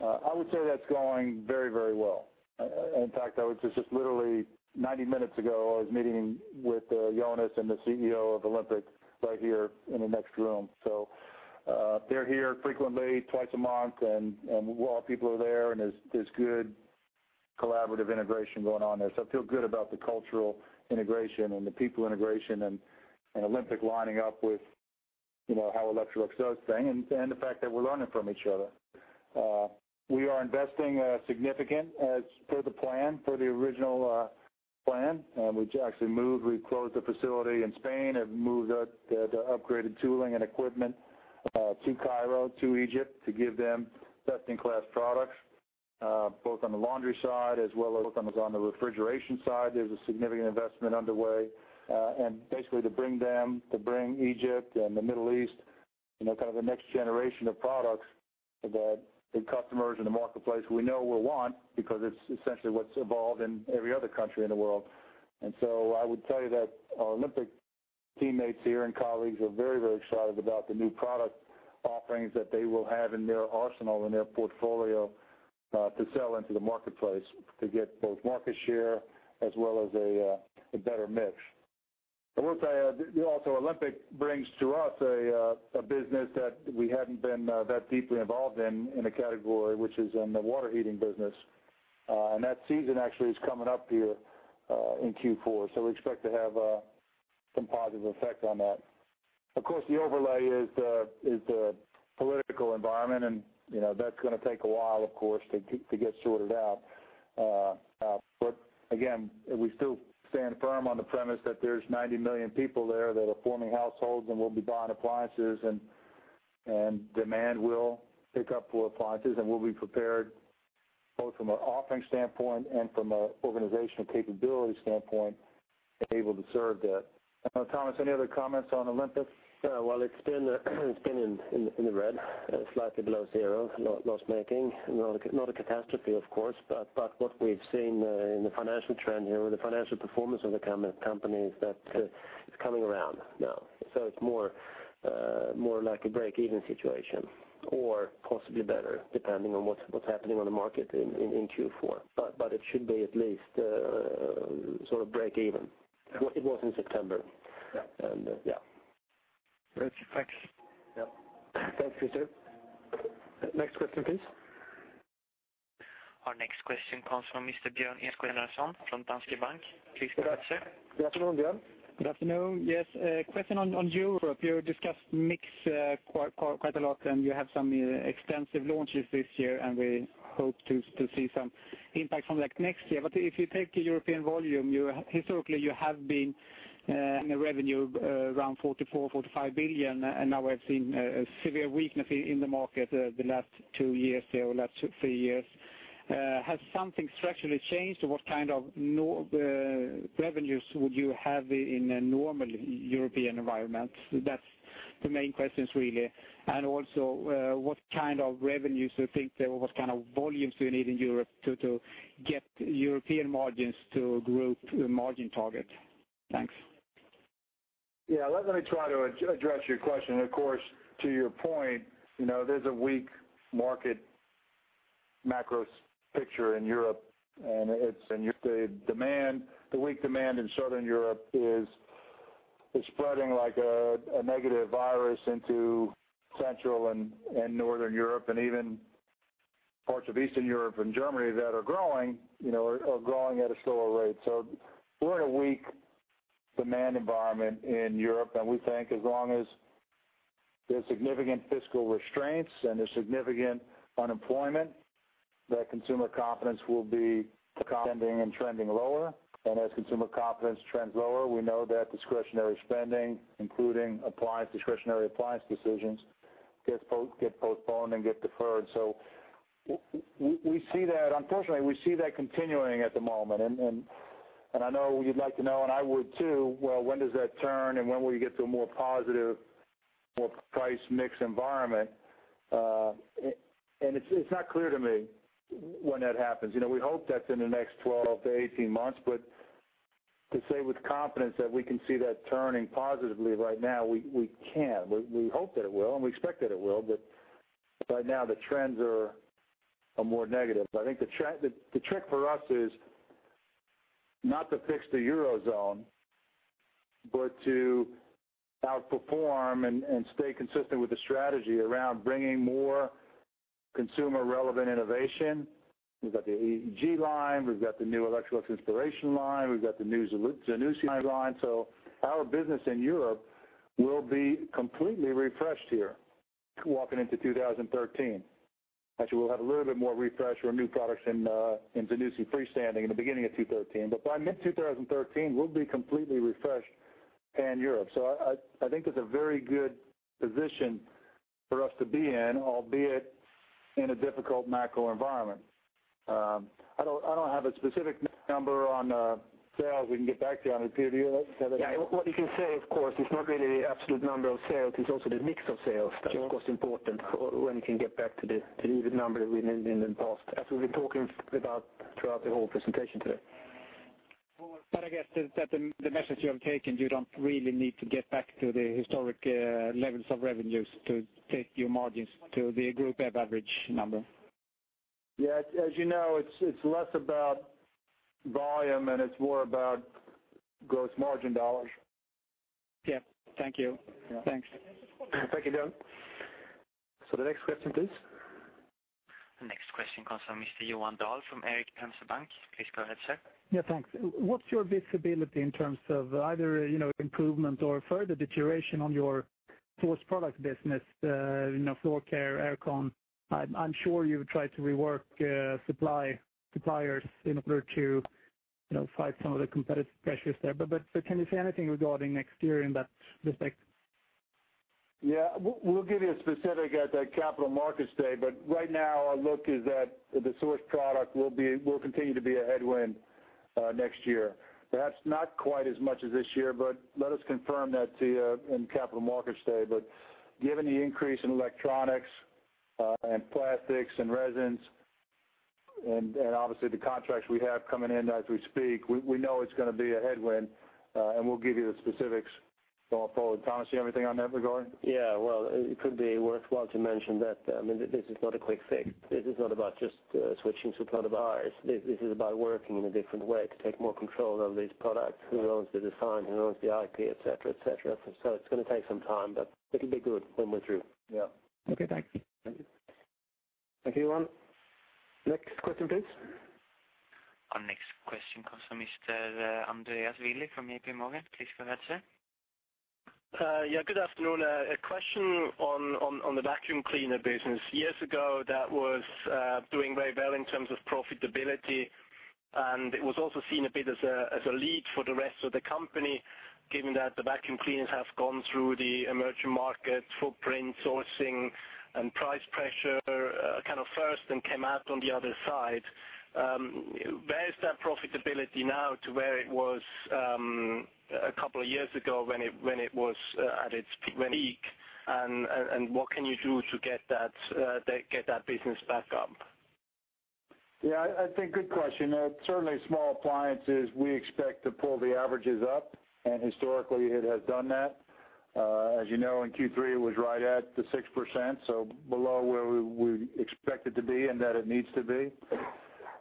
I would say that's going very, very well. In fact, I would just literally 90 minutes ago, I was meeting with Jonas and the CEO of Olympic right here in the next room. They're here frequently, twice a month, and well, people are there, and there's good collaborative integration going on there. I feel good about the cultural integration and the people integration and Olympic lining up with, you know, how Electrolux does thing, and the fact that we're learning from each other. We are investing significant as per the plan, per the original plan, and we've actually moved. We've closed the facility in Spain and moved the upgraded tooling and equipment to Cairo, to Egypt, to give them best-in-class products both on the laundry side as well as on the refrigeration side. There's a significant investment underway, and basically to bring Egypt and the Middle East, you know, kind of the next generation of products that the customers in the marketplace we know will want because it's essentially what's evolved in every other country in the world. I would tell you that our Olympic teammates here and colleagues are very, very excited about the new product offerings that they will have in their arsenal, in their portfolio, to sell into the marketplace to get both market share as well as a better mix. I would say, also Olympic brings to us a business that we hadn't been that deeply involved in a category, which is in the water heating business. That season actually is coming up here in Q4. We expect to have some positive effect on that. Of course, the overlay is the political environment, and, you know, that's gonna take a while, of course, to get sorted out. Again, we still stand firm on the premise that there's 90 million people there that are forming households and will be buying appliances, and demand will pick up for appliances, and we'll be prepared both from an offering standpoint and from an organizational capability standpoint, to be able to serve that. I don't know, Tomas, any other comments on Olympic? Well, it's been in the red, slightly below 0, loss-making. Not a catastrophe, of course, but what we've seen in the financial trend here, or the financial performance of the company, is that it's coming around now. It's more like a break-even situation, or possibly better, depending on what's happening on the market in Q4. It should be at least sort of break even. It was in September. Yeah. Yeah. Great. Thanks. Yeah. Thank you, sir. Next question, please. Our next question comes from Mr. Björn Enarson from Danske Bank. Please go ahead, sir. Good afternoon, Björn. Good afternoon. Yes, a question on Europe. You discussed mix, quite a lot, and you have some extensive launches this year, and we hope to see some impact from that next year. If you take the European volume, historically, you have been in a revenue around 44 billion-45 billion, and now we've seen a severe weakness in the market the last two years, or last three years. Has something structurally changed? What kind of revenues would you have in a normal European environment? That's the main questions, really. Also, what kind of revenues do you think there, or what kind of volumes do you need in Europe to get European margins to grow to the margin target? Thanks. Yeah, let me try to address your question. Of course, to your point, you know, there's a weak market macro picture in Europe, and it's, and the demand, the weak demand in Southern Europe is spreading like a negative virus into Central and Northern Europe, and even parts of Eastern Europe and Germany that are growing, you know, are growing at a slower rate. We're in a weak demand environment in Europe, and we think as long as there's significant fiscal restraints and there's significant unemployment, that consumer confidence will be trending and trending lower. As consumer confidence trends lower, we know that discretionary spending, including appliance, discretionary appliance decisions, gets postponed and get deferred. We, we see that, unfortunately, we see that continuing at the moment. I know you'd like to know, and I would, too, well, when does that turn, and when will we get to a more positive, more price mix environment? It's not clear to me when that happens. You know, we hope that's in the next 12-18 months, but to say with confidence that we can see that turning positively right now, we can't. We hope that it will, and we expect that it will, but right now, the trends are more negative. I think the trick for us is not to fix the Eurozone, but to outperform and stay consistent with the strategy around bringing more consumer-relevant innovation. We've got the AEG line, we've got the new Electrolux Inspiration line, we've got the new Zanussi line. Our business in Europe will be completely refreshed here, walking into 2013. Actually, we'll have a little bit more refresh or new products in Zanussi freestanding in the beginning of 2013. By mid-2013, we'll be completely refreshed in Europe. I think it's a very good position for us to be in, albeit in a difficult macro environment. I don't have a specific number on sales. We can get back to you on it, Peter, do you have it? Yeah, what you can say, of course, it's not really the absolute number of sales, it's also the mix of sales. Sure. That's, of course, important when you can get back to the number that we mentioned in the past, as we've been talking about throughout the whole presentation today. I guess that the message you have taken, you don't really need to get back to the historic levels of revenues to take your margins to the group average number? Yes. As you know, it's less about volume, and it's more about gross margin dollars. Yeah. Thank you. Yeah. Thanks. Thank you, Björn. The next question, please. The next question comes from Mr. Johan Dahl from Erik Penser Bank. Please go ahead, sir. Yeah, thanks. What's your visibility in terms of either, you know, improvement or further deterioration on your sourced product business, you know, floor care, air con? I'm sure you've tried to rework suppliers in order to, you know, fight some of the competitive pressures there. Can you say anything regarding next year in that respect? Yeah, we'll give you a specific at the Capital Markets Day. Right now, our look is that the sourced product will continue to be a headwind next year. Perhaps not quite as much as this year, but let us confirm that to you in Capital Markets Day. Given the increase in electronics, and plastics and resins, and obviously, the contracts we have coming in as we speak, we know it's gonna be a headwind, and we'll give you the specifics going forward. Tomas, you have anything on that regard? Yeah. Well, it could be worthwhile to mention that, I mean, this is not a quick fix. This is not about just switching suppliers. This is about working in a different way to take more control of these products, who owns the design, who owns the IP, et cetera, et cetera. It's gonna take some time, but it'll be good when we're through. Yeah. Okay, thank you. Thank you. Thank you, Johan. Next question, please. Our next question comes from Mr. Andreas Willi from JPMorgan. Please go ahead, sir. Yeah, good afternoon. A question on the vacuum cleaner business. Years ago, that was doing very well in terms of profitability, and it was also seen a bit as a lead for the rest of the company, given that the vacuum cleaners have gone through the emerging market footprint, sourcing and price pressure, kind of first and came out on the other side. Where is that profitability now to where it was two years ago when it was at its peak? What can you do to get that business back up? Yeah, I think good question. certainly Small Appliances, we expect to pull the averages up, and historically, it has done that. as you know, in Q3, it was right at the 6%, so below where we expect it to be and that it needs to be.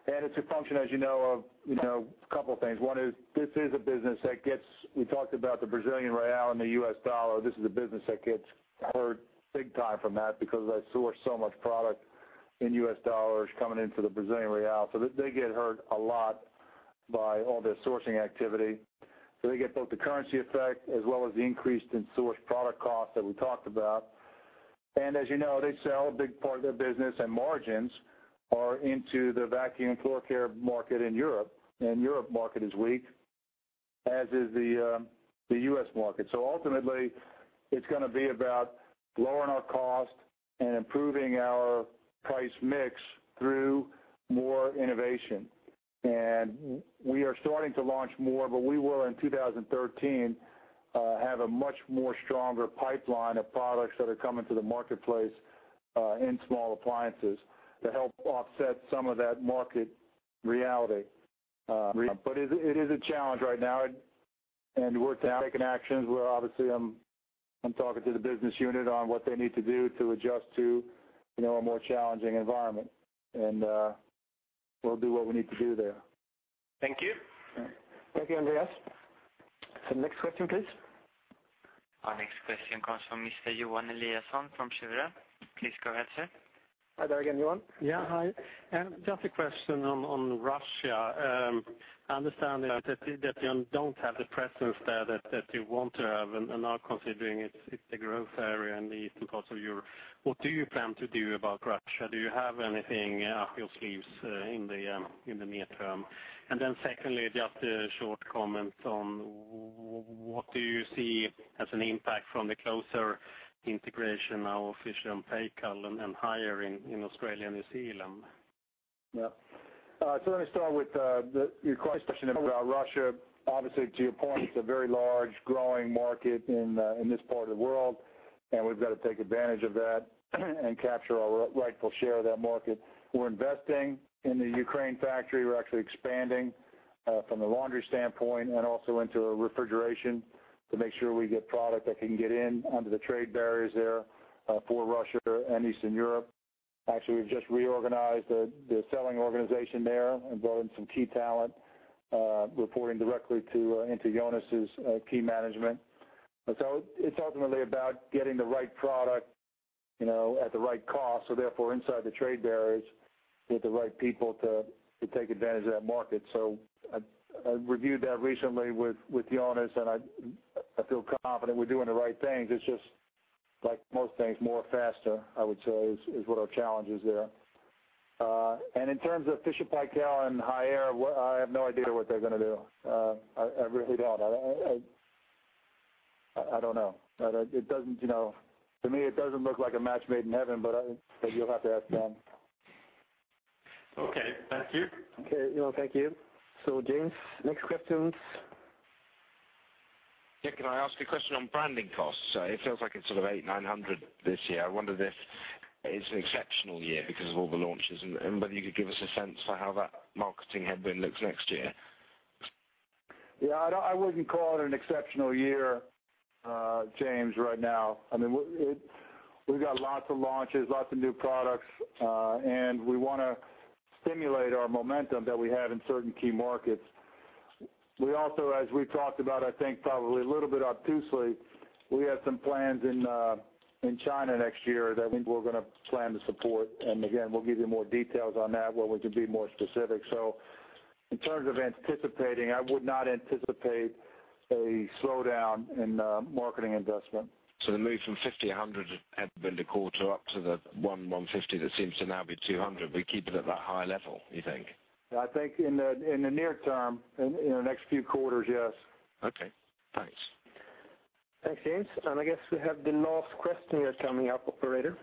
It's a function, as you know, of, you know, a couple things. One is, this is a business that we talked about the Brazilian Real and the U.S. dollar. This is a business that gets hurt big time from that because they source so much product in U.S. dollars coming into the Brazilian Real. They get hurt a lot by all the sourcing activity. They get both the currency effect, as well as the increase in sourced product cost that we talked about. As you know, they sell a big part of their business and margins are into the vacuum floor care market in Europe. Europe market is weak, as is the U.S. market. Ultimately, it's gonna be about lowering our cost and improving our price mix through more innovation. We are starting to launch more, but we will, in 2013, have a much more stronger pipeline of products that are coming to the marketplace in Small Appliances to help offset some of that market reality. It is a challenge right now. We're taking actions where obviously I'm talking to the business unit on what they need to do to adjust to, you know, a more challenging environment. We'll do what we need to do there. Thank you. Thank you, Andreas. Next question, please. Our next question comes from Mr. Johan Eliason from Cheuvreux. Please go ahead, sir. Hi there again, Johan. Yeah, hi. Just a question on Russia. I understand that you don't have the presence there that you want to have, and now considering it's a growth area in the eastern part of Europe, what do you plan to do about Russia? Do you have anything up your sleeves, in the, in the midterm? Secondly, just a short comment on what do you see as an impact from the closer integration now of Fisher & Paykel and Haier in Australia and New Zealand? Yeah. Let me start with your question about Russia. Obviously, to your point, it's a very large, growing market in this part of the world, and we've got to take advantage of that and capture our rightful share of that market. We're investing in the Ukraine factory. We're actually expanding from a laundry standpoint and also into refrigeration to make sure we get product that can get in under the trade barriers there for Russia and Eastern Europe. Actually, we've just reorganized the selling organization there and brought in some key talent reporting directly to into Jonas's key management. It's ultimately about getting the right product, you know, at the right cost, so therefore, inside the trade barriers with the right people to take advantage of that market. I reviewed that recently with Jonas, and I feel confident we're doing the right things. It's just like most things, more faster, I would say, is what our challenge is there. In terms of Fisher & Paykel and Haier, well, I have no idea what they're gonna do. I really don't. I don't know. It doesn't, you know, for me, it doesn't look like a match made in heaven, but you'll have to ask them. Okay. Thank you. Okay, Johan, thank you. James, next questions? Yeah, can I ask a question on branding costs? It feels like it's sort of 800 million-900 million this year. I wonder if it's an exceptional year because of all the launches, and whether you could give us a sense for how that marketing headwind looks next year? Yeah, I wouldn't call it an exceptional year, James, right now. I mean, we've got lots of launches, lots of new products, and we wanna stimulate our momentum that we have in certain key markets. We also, as we talked about, I think, probably a little bit obtusely, we have some plans in China next year that we're gonna plan to support. Again, we'll give you more details on that when we can be more specific. In terms of anticipating, I would not anticipate a slowdown in marketing investment. The move from 50 million, 100 million had been the quarter up to the 150 million, that seems to now be 200 million. We keep it at that high level, you think? I think in the near term, in the next few quarters, yes. Okay. Thanks. Thanks, James. I guess we have the last question here coming up, operator.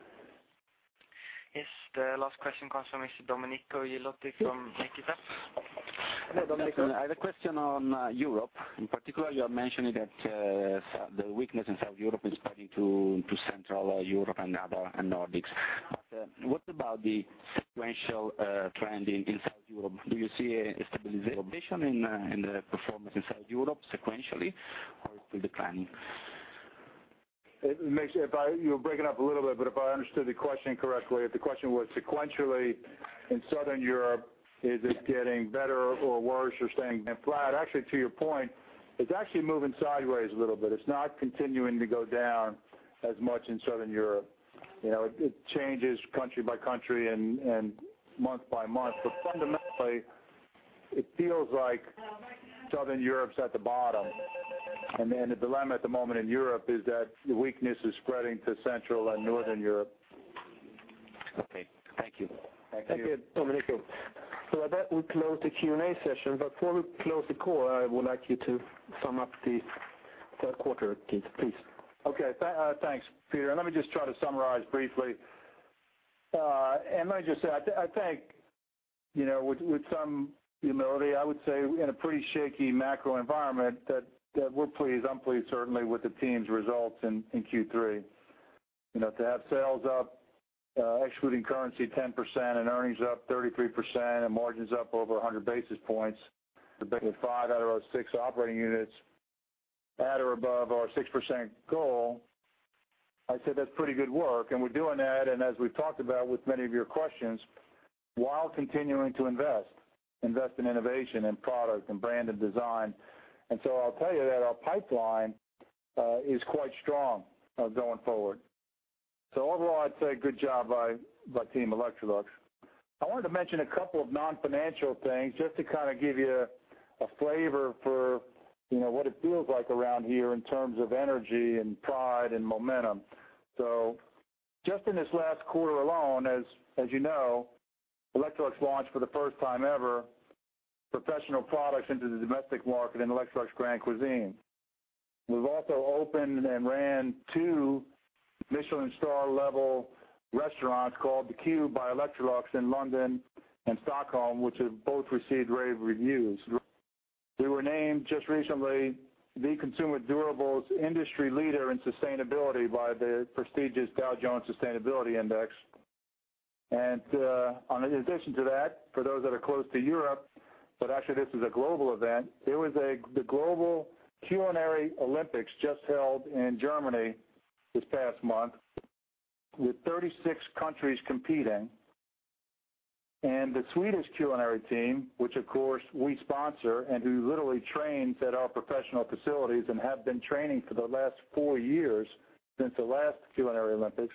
Yes, the last question comes from Mr. Domenico Ghilotti from Equita. Hello, Domenico. I have a question on Europe. In particular, you are mentioning that the weakness in South Europe is spreading to Central Europe and other, and Nordics. What about the sequential trend in South Europe? Do you see a stabilization in the performance in South Europe sequentially, or is it declining? You're breaking up a little bit, but if I understood the question correctly, if the question was sequentially in Southern Europe, is it getting better or worse or staying flat? Actually, to your point, it's actually moving sideways a little bit. It's not continuing to go down as much in Southern Europe. You know, it changes country by country and month by month. Fundamentally, it feels like Southern Europe's at the bottom. The dilemma at the moment in Europe is that the weakness is spreading to Central and Northern Europe. Okay. Thank you. Thank you. Thank you, Domenico. With that, we close the Q&A session. Before we close the call, I would like you to sum up the third quarter, Keith, please. Okay. Thanks, Peter. Let me just try to summarize briefly. Let me just say, I think, you know, with some humility, I would say, in a pretty shaky macro environment, that we're pleased, I'm pleased, certainly with the team's results in Q3. You know, to have sales up, excluding currency, 10%, and earnings up 33% and margins up over 100 basis points, with five out of our six operating units at or above our 6% goal, I'd say that's pretty good work. We're doing that, and as we've talked about with many of your questions, while continuing to invest. Invest in innovation, in product, in brand and design. I'll tell you that our pipeline is quite strong going forward. Overall, I'd say good job by team Electrolux. I wanted to mention a couple of non-financial things just to kind of give you a flavor for, you know, what it feels like around here in terms of energy and pride and momentum. Just in this last quarter alone, as you know, Electrolux launched for the first time ever, professional products into the domestic market in Electrolux Grand Cuisine. We've also opened and ran two Michelin star level restaurants called The Cube by Electrolux in London and Stockholm, which have both received rave reviews. We were named, just recently, the Consumer Durables Industry Leader in Sustainability by the prestigious Dow Jones Sustainability Index. In addition to that, for those that are close to Europe, but actually this is a global event, there was the Global Culinary Olympics just held in Germany this past month, with 36 countries competing. The Swedish culinary team, which, of course, we sponsor, and who literally trains at our professional facilities and have been training for the last four years since the last Culinary Olympics,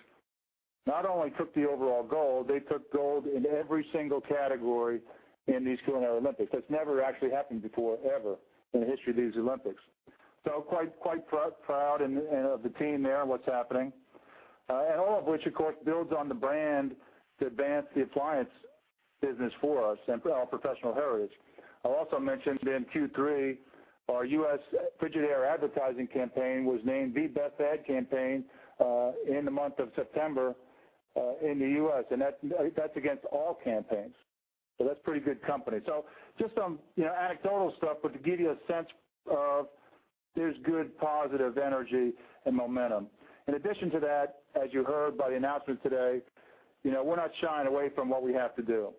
not only took the overall gold, they took gold in every single category in these Culinary Olympics. That's never actually happened before, ever, in the history of these Olympics. Quite, quite proud of the team there and what's happening. All of which, of course, builds on the brand to advance the appliance business for us and our professional heritage. I'll also mention in Q3, our U.S. Frigidaire advertising campaign was named the best ad campaign in the month of September in the U.S., and that's against all campaigns. That's pretty good company. Just some, you know, anecdotal stuff, but to give you a sense of there's good, positive energy and momentum. In addition to that, as you heard by the announcement today, you know, we're not shying away from what we have to do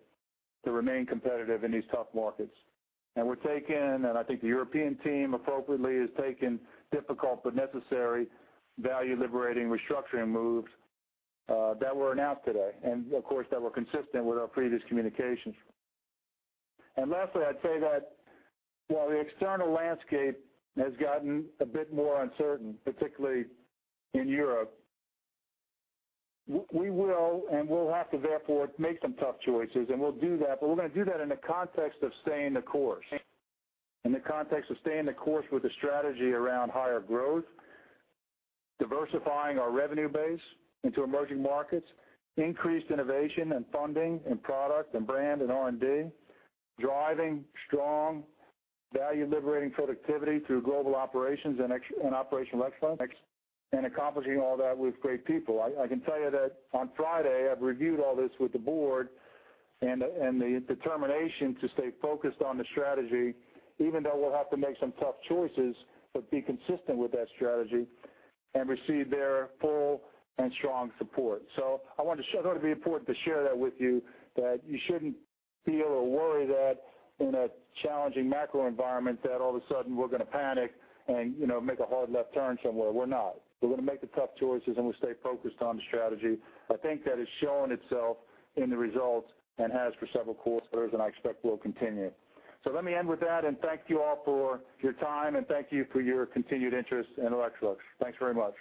to remain competitive in these tough markets. We're taking, and I think the European team appropriately is taking difficult but necessary value-liberating restructuring moves that were announced today. Of course, that were consistent with our previous communications. Lastly, I'd say that while the external landscape has gotten a bit more uncertain, particularly in Europe, we will and we'll have to therefore, make some tough choices, and we'll do that. We're gonna do that in the context of staying the course, in the context of staying the course with the strategy around higher growth, diversifying our revenue base into emerging markets, increased innovation and funding in product and brand and R&D, driving strong value-liberating productivity through global operations and operational excellence, and accomplishing all that with great people. I can tell you that on Friday, I've reviewed all this with the board, and the determination to stay focused on the strategy, even though we'll have to make some tough choices, but be consistent with that strategy and receive their full and strong support. I wanted to share I thought it'd be important to share that with you, that you shouldn't feel or worry that in a challenging macro environment, that all of a sudden, we're gonna panic and, you know, make a hard left turn somewhere. We're not. We're gonna make the tough choices, and we stay focused on the strategy. I think that is showing itself in the results and has for several quarters, and I expect will continue. Let me end with that, and thank you all for your time, and thank you for your continued interest in Electrolux. Thanks very much.